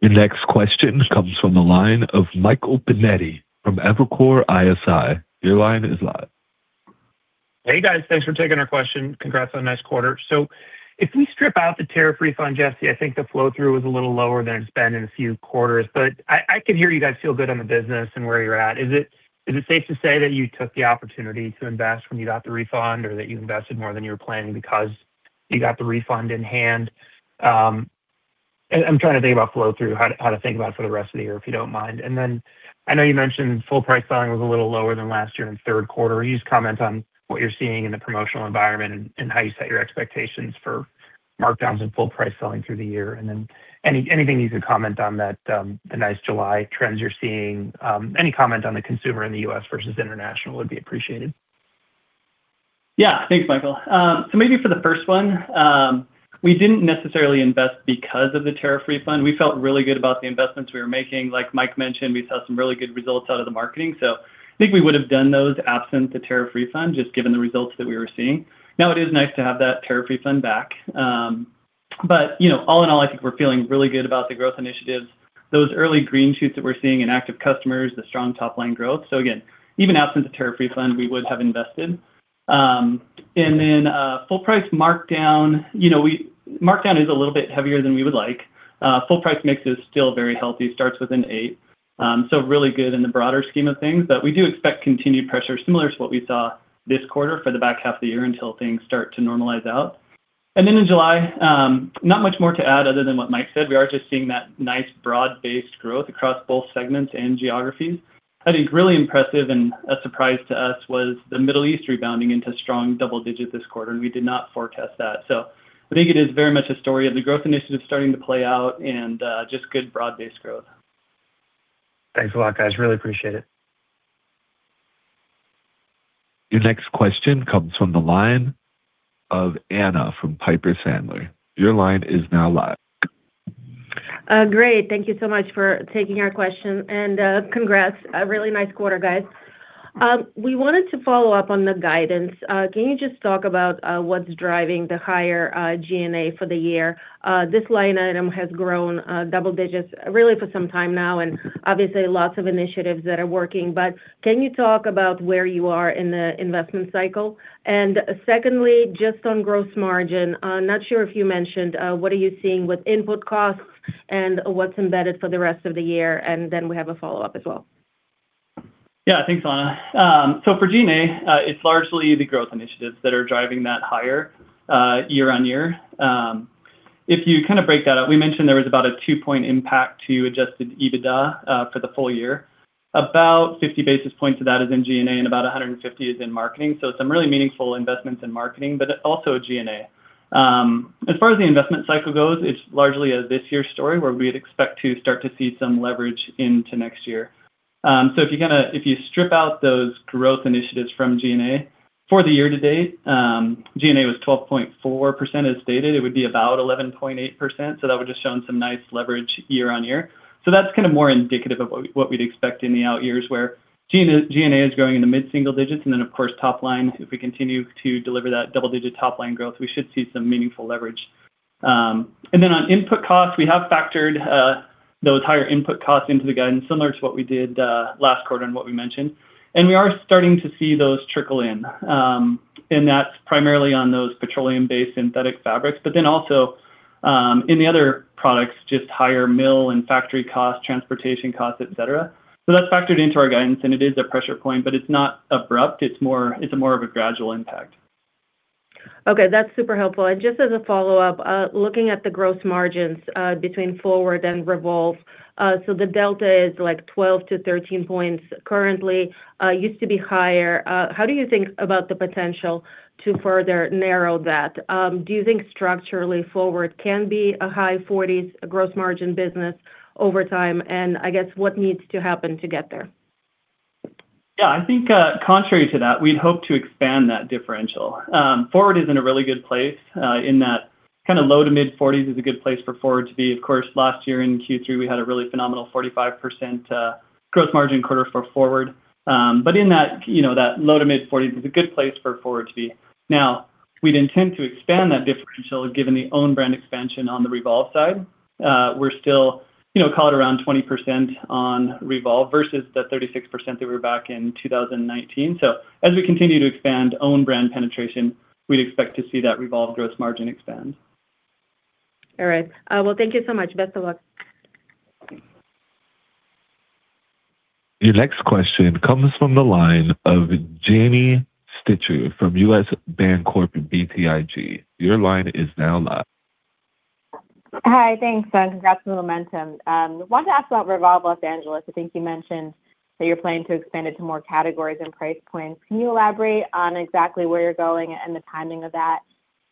S1: The next question comes from the line of Michael Binetti from Evercore ISI. Your line is live.
S8: Hey, guys. Thanks for taking our question. Congrats on a nice quarter. If we strip out the tariff refund, Jesse, I think the flow-through was a little lower than it's been in a few quarters. I could hear you guys feel good on the business and where you're at. Is it safe to say that you took the opportunity to invest when you got the refund, or that you invested more than you were planning because you got the refund in hand? I'm trying to think about flow-through, how to think about it for the rest of the year, if you don't mind. I know you mentioned full price selling was a little lower than last year in the third quarter. Can you just comment on what you're seeing in the promotional environment and how you set your expectations for markdowns and full price selling through the year? Anything you could comment on the nice July trends you're seeing. Any comment on the consumer in the U.S. versus international would be appreciated.
S5: Yeah. Thanks, Michael. Maybe for the first one, we didn't necessarily invest because of the tariff refund. We felt really good about the investments we were making. Like Mike mentioned, we saw some really good results out of the marketing. I think we would have done those absent the tariff refund, just given the results that we were seeing. Now, it is nice to have that tariff refund back. All in all, I think we're feeling really good about the growth initiatives. Those early green shoots that we're seeing in active customers, the strong top-line growth. Again, even absent the tariff refund, we would have invested. Full price markdown. Markdown is a little bit heavier than we would like. Full price mix is still very healthy. Starts with an eight. Really good in the broader scheme of things. We do expect continued pressure similar to what we saw this quarter for the back half of the year until things start to normalize out. In July, not much more to add other than what Mike said. We are just seeing that nice broad-based growth across both segments and geographies. I think really impressive and a surprise to us was the Middle East rebounding into strong double digits this quarter, and we did not forecast that. I think it is very much a story of the growth initiative starting to play out and just good broad-based growth.
S8: Thanks a lot, guys. Really appreciate it.
S1: Your next question comes from the line of Anna from Piper Sandler. Your line is now live.
S9: Great. Thank you so much for taking our question. Congrats. A really nice quarter, guys. We wanted to follow up on the guidance. Can you just talk about what's driving the higher G&A for the year? This line item has grown double-digits really for some time now, and obviously lots of initiatives that are working. Can you talk about where you are in the investment cycle? Secondly, just on gross margin, not sure if you mentioned, what are you seeing with input costs and what's embedded for the rest of the year? Then we have a follow-up as well.
S5: Yeah. Thanks, Anna. For G&A, it's largely the growth initiatives that are driving that higher year-on-year. If you kind of break that out, we mentioned there was about a two-point impact to adjusted EBITDA for the full year. About 50 basis points of that is in G&A and about 150 is in marketing. Some really meaningful investments in marketing, but also G&A. As far as the investment cycle goes, it's largely a this-year story where we'd expect to start to see some leverage into next year. If you strip out those growth initiatives from G&A, for the year-to-date, G&A was 12.4%. As stated, it would be about 11.8%. That would just show some nice leverage year-on-year. That's kind of more indicative of what we'd expect in the out years where G&A is growing in the mid-single-digits. Of course, top line, if we continue to deliver that double-digit top-line growth, we should see some meaningful leverage. On input costs, we have factored those higher input costs into the guidance, similar to what we did last quarter and what we mentioned. We are starting to see those trickle in, and that's primarily on those petroleum-based synthetic fabrics. Also in the other products, just higher mill and factory cost, transportation costs, et cetera. That's factored into our guidance, and it is a pressure point, but it's not abrupt, it's more of a gradual impact.
S9: Okay. That's super helpful. Just as a follow-up, looking at the gross margins between FWRD and REVOLVE. The delta is 12 to 13 points currently, used to be higher. How do you think about the potential to further narrow that? Do you think structurally FWRD can be a high 40s gross margin business over time? I guess what needs to happen to get there?
S5: I think, contrary to that, we'd hope to expand that differential. FWRD is in a really good place, in that low to mid 40s is a good place for FWRD to be. Of course, last year in Q3, we had a really phenomenal 45% gross margin quarter for FWRD. In that low to mid 40s is a good place for FWRD to be. We'd intend to expand that differential given the own brand expansion on the REVOLVE side. We're still call it around 20% on REVOLVE versus the 36% that were back in 2019. As we continue to expand own brand penetration, we'd expect to see that REVOLVE gross margin expand.
S9: All right. Thank you so much. Best of luck.
S1: Your next question comes from the line of Janine Stichter from U.S. Bancorp BTIG. Your line is now live.
S10: Hi. Thanks, congrats on the momentum. Wanted to ask about REVOLVE Los Angeles. I think you mentioned that you're planning to expand it to more categories and price points. Can you elaborate on exactly where you're going and the timing of that?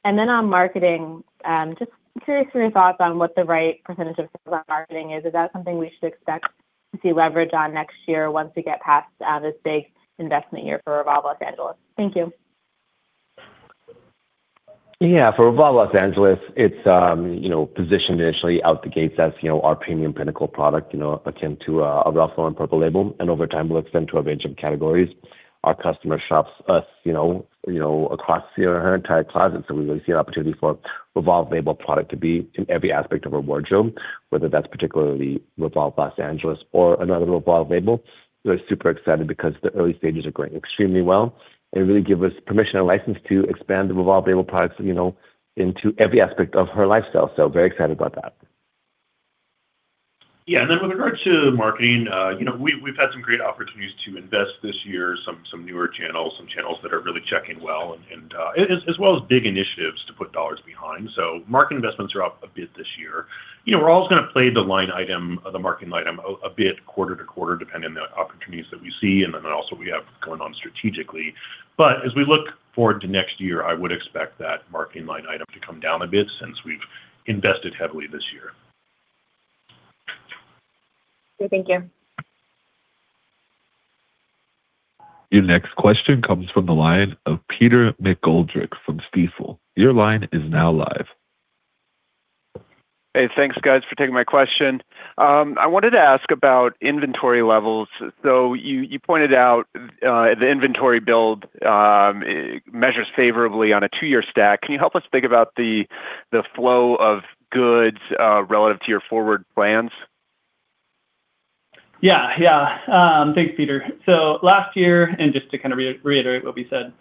S10: Then on marketing, just curious for your thoughts on what the right percentage of marketing is. Is that something we should expect to see leverage on next year once we get past this big investment year for REVOLVE Los Angeles? Thank you.
S4: Yeah. For REVOLVE Los Angeles, it's positioned initially out the gates as our premium pinnacle product, akin to a Ralph and Purple Label, over time, we'll extend to a range of categories. Our customer shops us across her entire closet, we really see an opportunity for REVOLVE label product to be in every aspect of her wardrobe, whether that's particularly REVOLVE Los Angeles or another REVOLVE label. We're super excited because the early stages are going extremely well, really give us permission and license to expand the REVOLVE label products into every aspect of her lifestyle. Very excited about that.
S3: Yeah. Then with regard to marketing, we've had some great opportunities to invest this year, some newer channels, some channels that are really checking well, as well as big initiatives to put dollars behind. Market investments are up a bit this year. We're always going to play the line item, the market item, a bit quarter-to-quarter, depending on the opportunities that we see then also we have going on strategically. As we look forward to next year, I would expect that marketing line item to come down a bit since we've invested heavily this year.
S10: Okay, thank you.
S1: Your next question comes from the line of Peter McGoldrick from Stifel. Your line is now live.
S11: Hey, thanks, guys, for taking my question. I wanted to ask about inventory levels. You pointed out the inventory build measures favorably on a two-year stack. Can you help us think about the flow of goods relative to your forward plans?
S5: Yeah. Thanks, Peter. Last year, and just to reiterate what we said,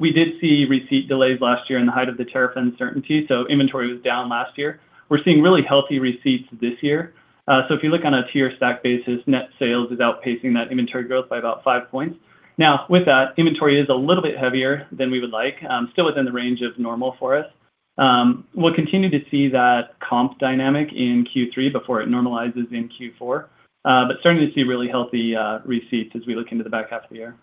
S5: we did see receipt delays last year in the height of the tariff uncertainty, so inventory was down last year. We're seeing really healthy receipts this year. If you look on a two-year stack basis, net sales is outpacing that inventory growth by about five points. Now, with that, inventory is a little bit heavier than we would like. Still within the range of normal for us. We'll continue to see that comp dynamic in Q3 before it normalizes in Q4. Starting to see really healthy receipts as we look into the back half of the year.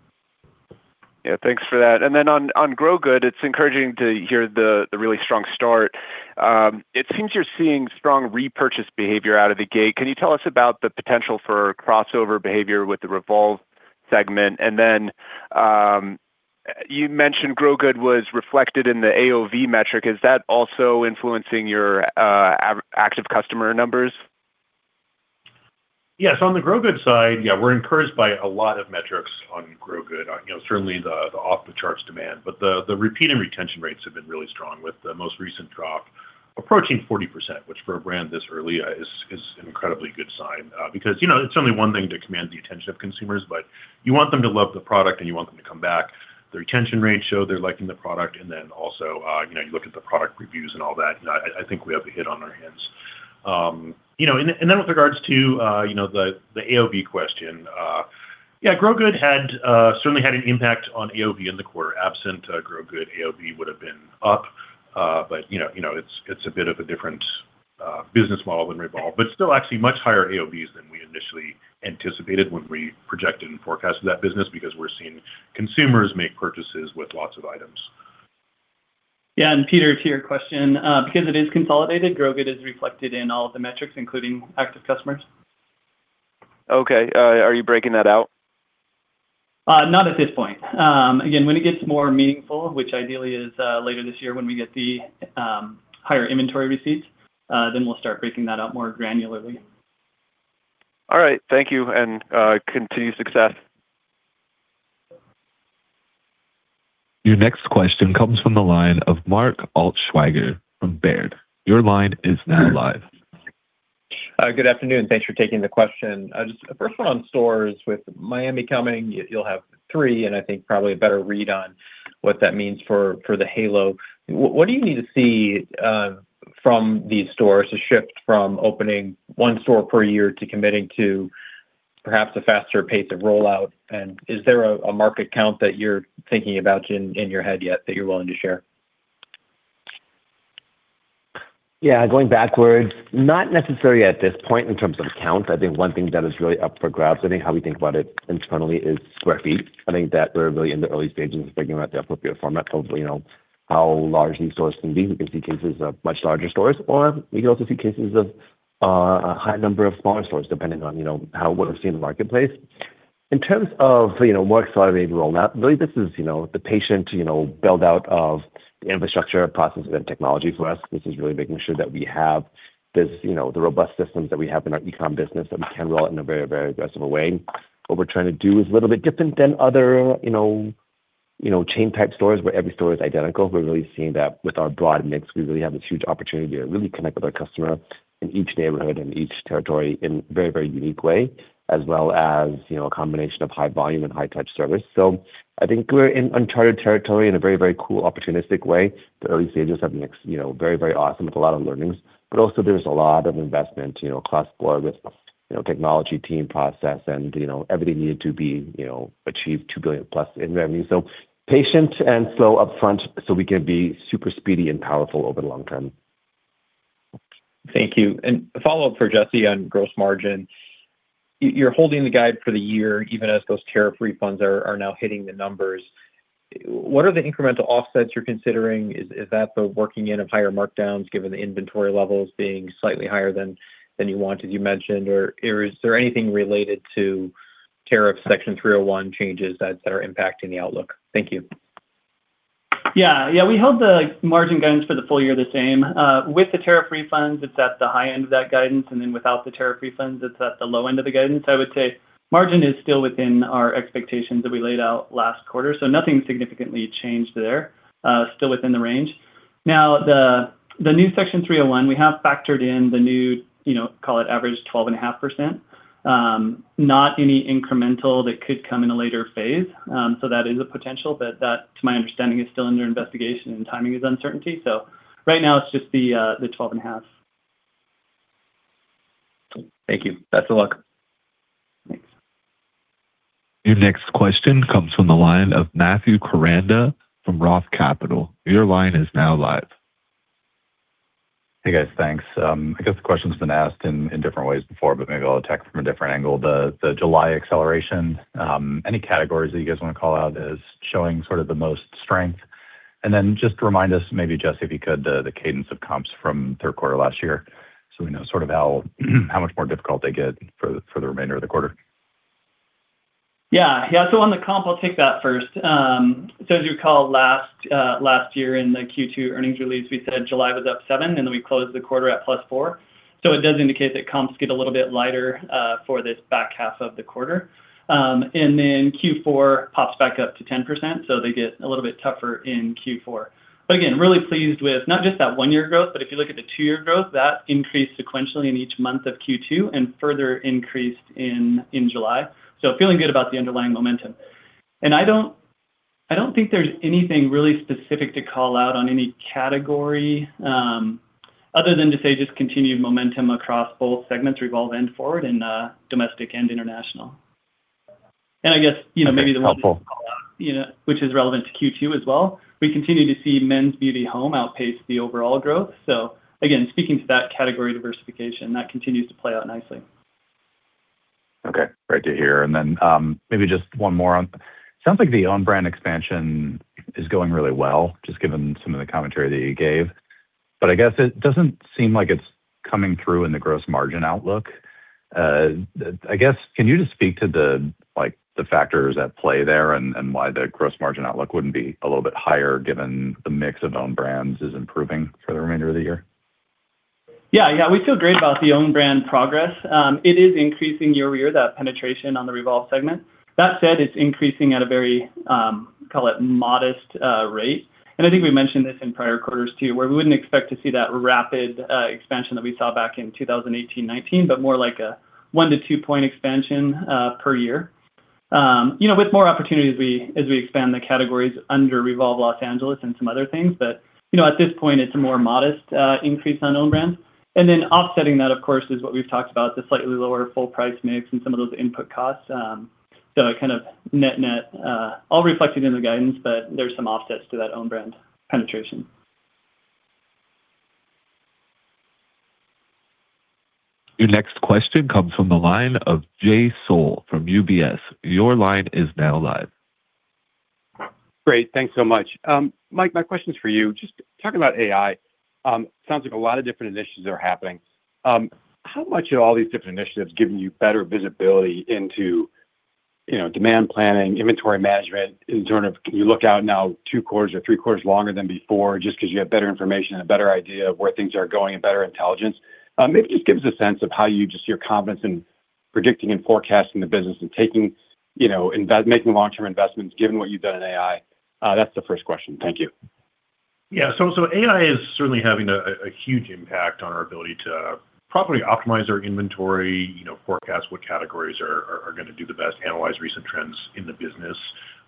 S11: Thanks for that. On Grow-Good, it's encouraging to hear the really strong start. It seems you're seeing strong repurchase behavior out of the gate. Can you tell us about the potential for crossover behavior with the REVOLVE segment? You mentioned Grow-Good was reflected in the AOV metric. Is that also influencing your active customer numbers?
S3: On the Grow-Good side, we're encouraged by a lot of metrics on Grow-Good. Certainly the off-the-charts demand, the repeat and retention rates have been really strong, with the most recent drop approaching 40%, which for a brand this early is an incredibly good sign. It's only one thing to command the attention of consumers, you want them to love the product, you want them to come back. The retention rates show they're liking the product, you look at the product reviews and all that. I think we have a hit on our hands. With regards to the AOV question. Grow-Good certainly had an impact on AOV in the quarter. Absent Grow-Good, AOV would've been up. It's a bit of a different business model than REVOLVE. Still actually much higher AOVs than we initially anticipated when we projected and forecasted that business, because we're seeing consumers make purchases with lots of items.
S5: Peter, to your question, because it is consolidated, Grow-Good is reflected in all of the metrics, including active customers.
S11: Okay. Are you breaking that out?
S5: Not at this point. Again, when it gets more meaningful, which ideally is later this year when we get the higher inventory receipts, then we'll start breaking that out more granularly.
S11: All right. Thank you, and continued success.
S1: Your next question comes from the line of Mark Altschwager from Baird. Your line is now live
S12: Good afternoon. Thanks for taking the question. Just the first one on stores. With Miami coming, you'll have three, and I think probably a better read on what that means for the halo. What do you need to see from these stores to shift from opening one store per year to committing to perhaps a faster pace of rollout? Is there a market count that you're thinking about in your head yet that you're willing to share?
S4: Yeah. Going backwards, not necessarily at this point in terms of count. I think one thing that is really up for grabs, I think how we think about it internally is square feet. I think that we're really in the early stages of figuring out the appropriate format of how large these stores can be. We can see cases of much larger stores, or we can also see cases of a high number of smaller stores, depending on what I've seen in the marketplace. In terms of more accelerated rollout, really this is the patient build-out of the infrastructure, processes, and technology for us. This is really making sure that we have the robust systems that we have in our e-com business that we can roll out in a very aggressive way. What we're trying to do is a little bit different than other chain-type stores where every store is identical. We're really seeing that with our broad mix, we really have this huge opportunity to really connect with our customer in each neighborhood and each territory in a very unique way, as well as a combination of high volume and high-touch service. I think we're in uncharted territory in a very cool opportunistic way. The early stages have been very awesome with a lot of learnings. Also there's a lot of investment across board with technology, team, process, and everything needed to achieve $2 billion+ in revenue. Patient and slow upfront, so we can be super speedy and powerful over the long term.
S12: Thank you. A follow-up for Jesse on gross margin. You're holding the guide for the year, even as those tariff refunds are now hitting the numbers. What are the incremental offsets you're considering? Is that the working in of higher markdowns, given the inventory levels being slightly higher than you wanted, you mentioned? Is there anything related to tariff Section 301 changes that are impacting the outlook? Thank you.
S5: Yeah. We held the margin guidance for the full year the same. With the tariff refunds, it's at the high end of that guidance, and then without the tariff refunds, it's at the low end of the guidance. I would say margin is still within our expectations that we laid out last quarter. Nothing significantly changed there. Still within the range. Now, the new Section 301, we have factored in the new, call it average, 12.5%. Not any incremental that could come in a later phase. That is a potential, but that, to my understanding, is still under investigation and timing is uncertainty. Right now, it's just the 12.5%.
S12: Thank you. Best of luck.
S5: Thanks.
S1: Your next question comes from the line of Matthew Koranda from ROTH Capital Partners. Your line is now live.
S13: Hey, guys. Thanks. I guess the question's been asked in different ways before, but maybe I'll attack from a different angle. The July acceleration, any categories that you guys want to call out as showing sort of the most strength? Just remind us maybe, Jesse, if you could, the cadence of comps from third quarter last year so we know sort of how much more difficult they get for the remainder of the quarter.
S5: Yeah. On the comp, I'll take that first. As you recall, last year in the Q2 earnings release, we said July was up 7% and we closed the quarter at +4%. It does indicate that comps get a little bit lighter for this back half of the quarter. Q4 pops back up to 10%, so they get a little bit tougher in Q4. Again, really pleased with not just that one-year growth, but if you look at the two-year growth, that increased sequentially in each month of Q2 and further increased in July. Feeling good about the underlying momentum. I don't think there's anything really specific to call out on any category other than to say just continued momentum across both segments, REVOLVE and FWRD, and domestic and international. I guess maybe the one thing
S13: Helpful.
S5: to call out, which is relevant to Q2 as well, we continue to see men's beauty home outpace the overall growth. Again, speaking to that category diversification, that continues to play out nicely.
S13: Okay. Great to hear. Maybe just one more. Sounds like the own brand expansion is going really well, just given some of the commentary that you gave. I guess it doesn't seem like it's coming through in the gross margin outlook. I guess, can you just speak to the factors at play there and why the gross margin outlook wouldn't be a little bit higher given the mix of own brands is improving for the remainder of the year?
S5: Yeah. We feel great about the own brand progress. It is increasing year over year, that penetration on the REVOLVE segment. That said, it's increasing at a very, call it modest rate. I think we mentioned this in prior quarters too, where we wouldn't expect to see that rapid expansion that we saw back in 2018, 2019, but more like a 1- to 2-point expansion per year. With more opportunities as we expand the categories under REVOLVE Los Angeles and some other things. At this point, it's a more modest increase on own brands. Offsetting that, of course, is what we've talked about, the slightly lower full price mix and some of those input costs. Kind of net net, all reflected in the guidance, but there are some offsets to that own brand penetration.
S1: Your next question comes from the line of Jay Sole from UBS. Your line is now live.
S14: Great. Thanks so much. Mike, my question's for you. Just talking about AI, sounds like a lot of different initiatives are happening. How much are all these different initiatives giving you better visibility into demand planning, inventory management, in terms of can you look out now two quarters or three quarters longer than before just because you have better information and a better idea of where things are going and better intelligence? Maybe just give us a sense of how you just see your confidence in predicting and forecasting the business and making long-term investments given what you've done in AI. That's the first question. Thank you.
S3: AI is certainly having a huge impact on our ability to properly optimize our inventory, forecast what categories are going to do the best, analyze recent trends in the business.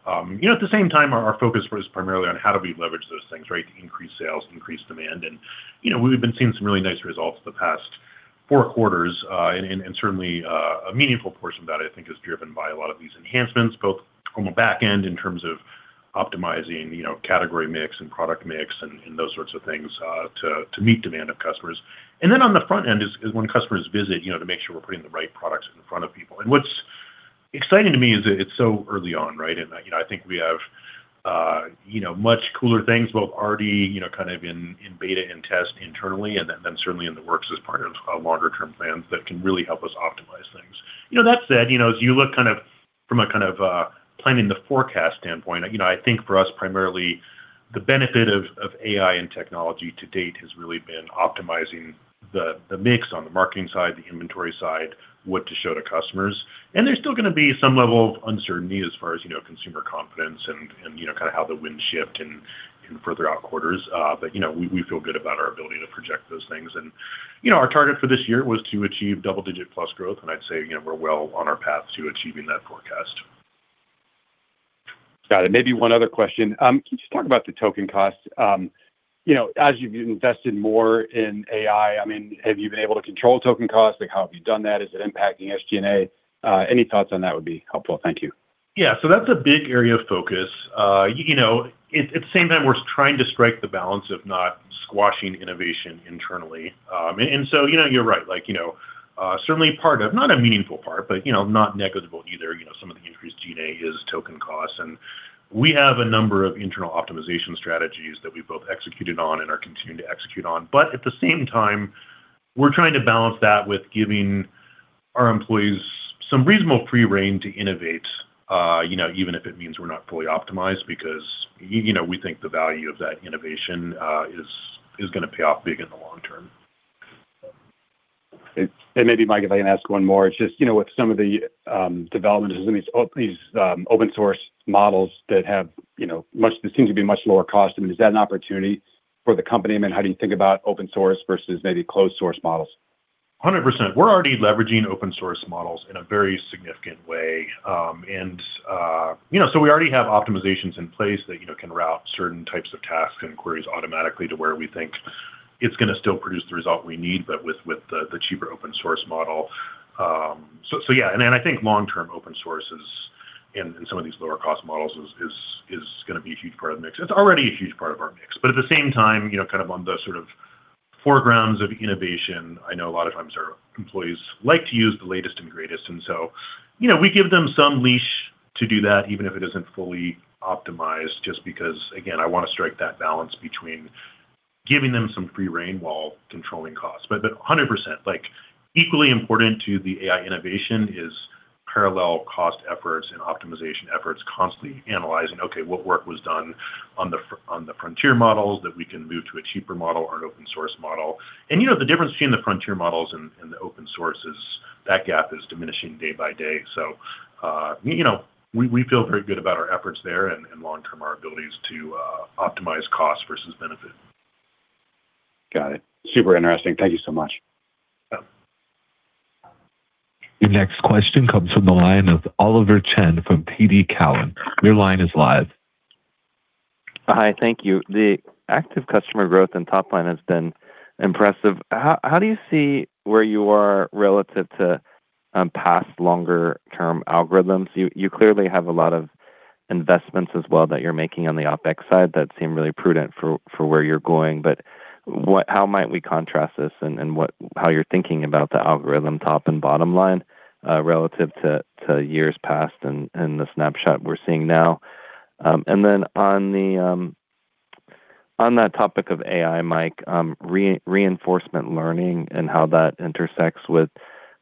S3: At the same time, our focus was primarily on how do we leverage those things, right, to increase sales, increase demand, and we've been seeing some really nice results the past four quarters. Certainly, a meaningful portion of that, I think, is driven by a lot of these enhancements, both from a back end in terms of optimizing category mix and product mix and those sorts of things to meet demand of customers. Then on the front end is when customers visit, to make sure we're putting the right products in front of people. What's exciting to me is that it's so early on, right? I think we have much cooler things, both already kind of in beta and test internally, then certainly in the works as part of longer term plans that can really help us optimize things. That said, as you look from a kind of planning the forecast standpoint, I think for us, primarily, the benefit of AI and technology to date has really been optimizing the mix on the marketing side, the inventory side, what to show to customers. There's still going to be some level of uncertainty as far as consumer confidence and kind of how the winds shift in further out quarters. We feel good about our ability to project those things. Our target for this year was to achieve double digit plus growth, and I'd say we're well on our path to achieving that forecast.
S14: Got it. Maybe one other question. Can you just talk about the token cost? As you've invested more in AI, have you been able to control token cost? How have you done that? Is it impacting SG&A? Any thoughts on that would be helpful. Thank you.
S3: Yeah. That's a big area of focus. At the same time, we're trying to strike the balance of not squashing innovation internally. You're right. Certainly part of, not a meaningful part, but not negligible either, some of the increased G&A is token cost. We have a number of internal optimization strategies that we've both executed on and are continuing to execute on. At the same time, we're trying to balance that with giving our employees some reasonable free rein to innovate, even if it means we're not fully optimized because we think the value of that innovation is going to pay off big in the long term.
S14: Maybe, Mike, if I can ask one more, it's just with some of the developments in these open source models that seem to be much lower cost. Is that an opportunity for the company? How do you think about open source versus maybe closed source models?
S3: 100%. We're already leveraging open source models in a very significant way. We already have optimizations in place that can route certain types of tasks and queries automatically to where we think it's going to still produce the result we need, but with the cheaper open source model. Yeah. I think long-term open source is, in some of these lower cost models, is going to be a huge part of the mix. It's already a huge part of our mix. At the same time, kind of on the sort of foregrounds of innovation, I know a lot of times our employees like to use the latest and greatest. We give them some leash to do that, even if it isn't fully optimized, just because, again, I want to strike that balance between giving them some free rein while controlling costs. 100%, equally important to the AI innovation is parallel cost efforts and optimization efforts, constantly analyzing, okay, what work was done on the frontier models that we can move to a cheaper model or an open source model. The difference between the frontier models and the open source is that gap is diminishing day by day. We feel very good about our efforts there and long-term, our abilities to optimize cost versus benefit.
S14: Got it. Super interesting. Thank you so much.
S3: Yeah.
S1: Your next question comes from the line of Oliver Chen from TD Cowen. Your line is live.
S15: Hi, thank you. The active customer growth and top line has been impressive. How do you see where you are relative to past longer term algorithms? You clearly have a lot of investments as well that you're making on the OpEx side that seem really prudent for where you're going. How might we contrast this and how you're thinking about the algorithm top and bottom line relative to years past and the snapshot we're seeing now? On that topic of AI, Mike, reinforcement learning and how that intersects with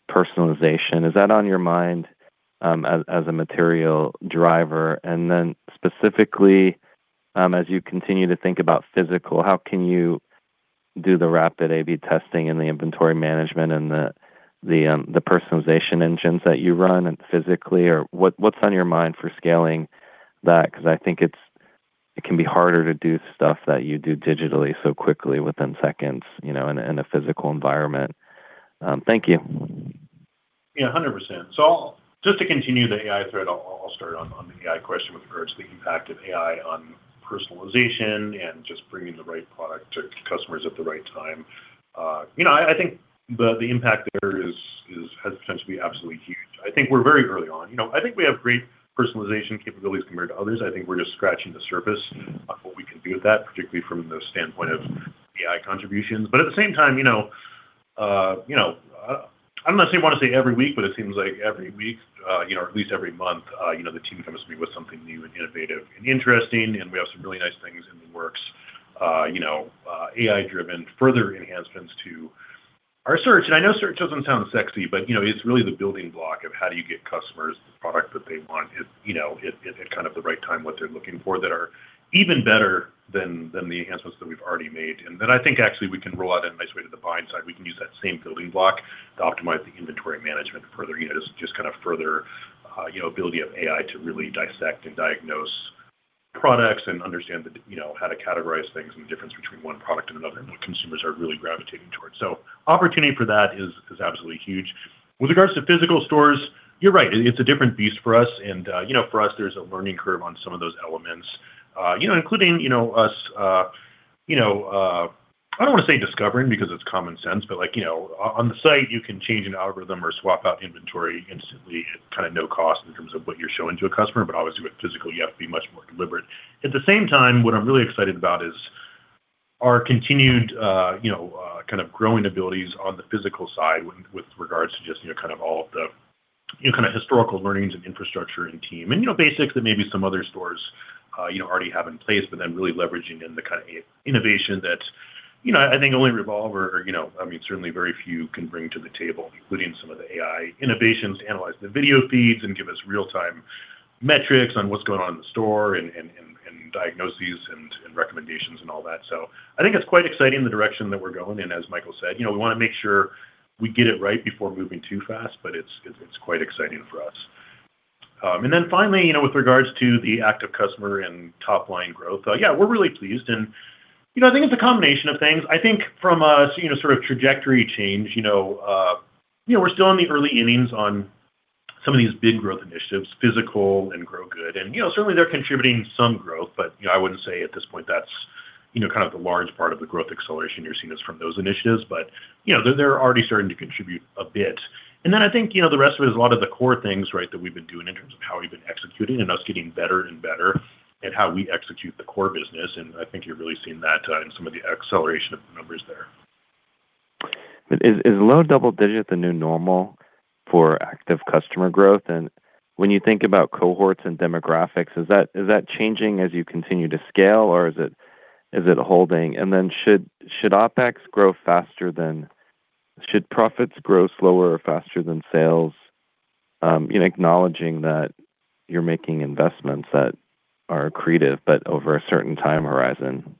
S15: personalization, is that on your mind as a material driver? Specifically, as you continue to think about physical, how can you do the rapid AB testing and the inventory management and the personalization engines that you run and physically, or what's on your mind for scaling that? I think it can be harder to do stuff that you do digitally so quickly within seconds in a physical environment. Thank you.
S3: Yeah, 100%. I'll, just to continue the AI thread, I'll start on the AI question with regards to the impact of AI on personalization and just bringing the right product to customers at the right time. I think the impact there has the potential to be absolutely huge. I think we're very early on. I think we have great personalization capabilities compared to others. I think we're just scratching the surface of what we can do with that, particularly from the standpoint of AI contributions. At the same time, I'm not saying want to say every week, but it seems like every week, or at least every month, the team comes to me with something new and innovative and interesting, and we have some really nice things in the works. AI-driven further enhancements to our search. I know search doesn't sound sexy, it's really the building block of how do you get customers the product that they want at kind of the right time, what they're looking for, that are even better than the enhancements that we've already made. That I think actually we can roll out in a nice way. We can use that same building block to optimize the inventory management further. Just further ability of AI to really dissect and diagnose products and understand how to categorize things, and the difference between one product and another, and what consumers are really gravitating towards. Opportunity for that is absolutely huge. With regards to physical stores, you're right. It's a different beast for us. For us, there's a learning curve on some of those elements. Including us, I don't want to say discovering, because it's common sense, on the site, you can change an algorithm or swap out inventory instantly at no cost in terms of what you're showing to a customer. Obviously, with physical, you have to be much more deliberate. At the same time, what I'm really excited about is our continued growing abilities on the physical side with regards to just all of the historical learnings and infrastructure and team. Basically, maybe some other stores already have in place, really leveraging in the kind of innovation that I think only REVOLVE or certainly very few can bring to the table, including some of the AI innovations to analyze the video feeds and give us real-time metrics on what's going on in the store and diagnoses and recommendations and all that. I think it's quite exciting the direction that we're going in. As Michael said, we want to make sure we get it right before moving too fast, it's quite exciting for us. Finally, with regards to the active customer and top-line growth, yeah, we're really pleased. I think it's a combination of things. I think from a sort of trajectory change, we're still in the early innings on some of these big growth initiatives, physical and Grow-Good. Certainly, they're contributing some growth, but I wouldn't say at this point that's the large part of the growth acceleration you're seeing is from those initiatives. They're already starting to contribute a bit. I think the rest of it is a lot of the core things, right, that we've been doing in terms of how we've been executing and us getting better and better at how we execute the core business. I think you're really seeing that in some of the acceleration of the numbers there.
S15: Is low double digit the new normal for active customer growth? When you think about cohorts and demographics, is that changing as you continue to scale or is it holding? Should OpEx grow faster than sales? Acknowledging that you're making investments that are accretive, but over a certain time horizon.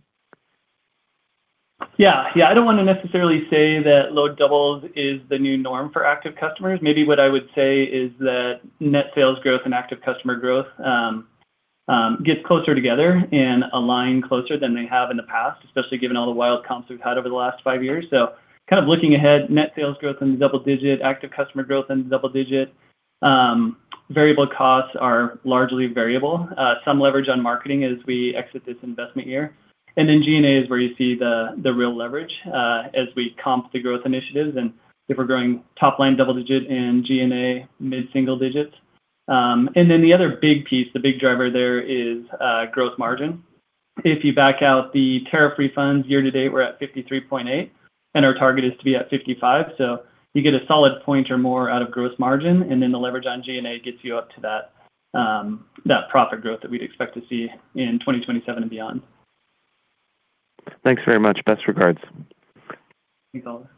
S5: Yeah. I don't want to necessarily say that low doubles is the new norm for active customers. Maybe what I would say is that net sales growth and active customer growth get closer together and align closer than they have in the past, especially given all the wild comps we've had over the last five years. Looking ahead, net sales growth into double-digit, active customer growth into double-digit. Variable costs are largely variable. Some leverage on marketing as we exit this investment year. G&A is where you see the real leverage as we comp the growth initiatives and if we're growing top line double-digit and G&A mid-single-digits. The other big piece, the big driver there is growth margin. If you back out the tariff refunds year to date, we're at 53.8%, and our target is to be at 55%. You get a solid point or more out of gross margin, and then the leverage on G&A gets you up to that profit growth that we'd expect to see in 2027 and beyond.
S15: Thanks very much. Best regards.
S5: Thanks, Oliver.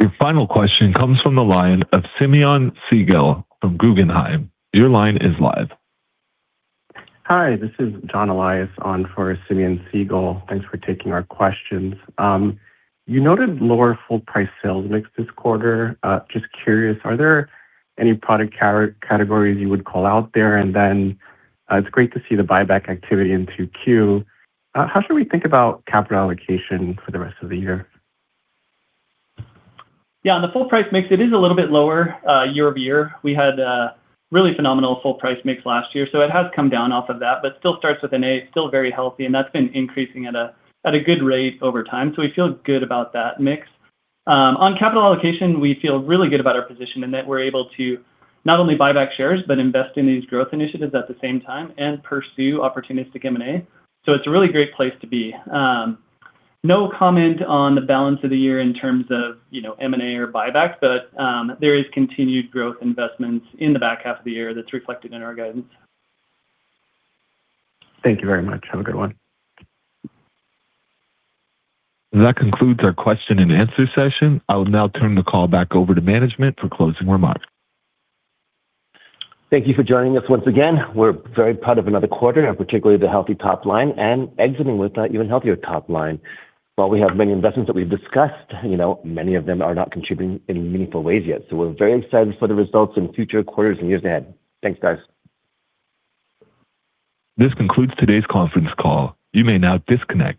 S1: Your final question comes from the line of Simeon Siegel from Guggenheim. Your line is live.
S16: Hi, this is Jon Elias on for Simeon Siegel. Thanks for taking our questions. You noted lower full price sales mix this quarter. Just curious, are there any product categories you would call out there? It's great to see the buyback activity in 2Q. How should we think about capital allocation for the rest of the year?
S5: Yeah. On the full price mix, it is a little bit lower year-over-year. We had a really phenomenal full price mix last year, so it has come down off of that. Still starts with an A, it's still very healthy, and that's been increasing at a good rate over time. We feel good about that mix. On capital allocation, we feel really good about our position in that we're able to not only buy back shares, but invest in these growth initiatives at the same time, and pursue opportunistic M&A. It's a really great place to be. No comment on the balance of the year in terms of M&A or buyback, but there is continued growth investments in the back half of the year that's reflected in our guidance.
S16: Thank you very much. Have a good one.
S1: That concludes our question-and-answer session. I will now turn the call back over to management for closing remarks.
S3: Thank you for joining us once again. We're very proud of another quarter, and particularly the healthy top line, and exiting with that even healthier top line. While we have many investments that we've discussed, many of them are not contributing in meaningful ways yet. We're very excited for the results in future quarters and years ahead. Thanks, guys.
S1: This concludes today's conference call. You may now disconnect.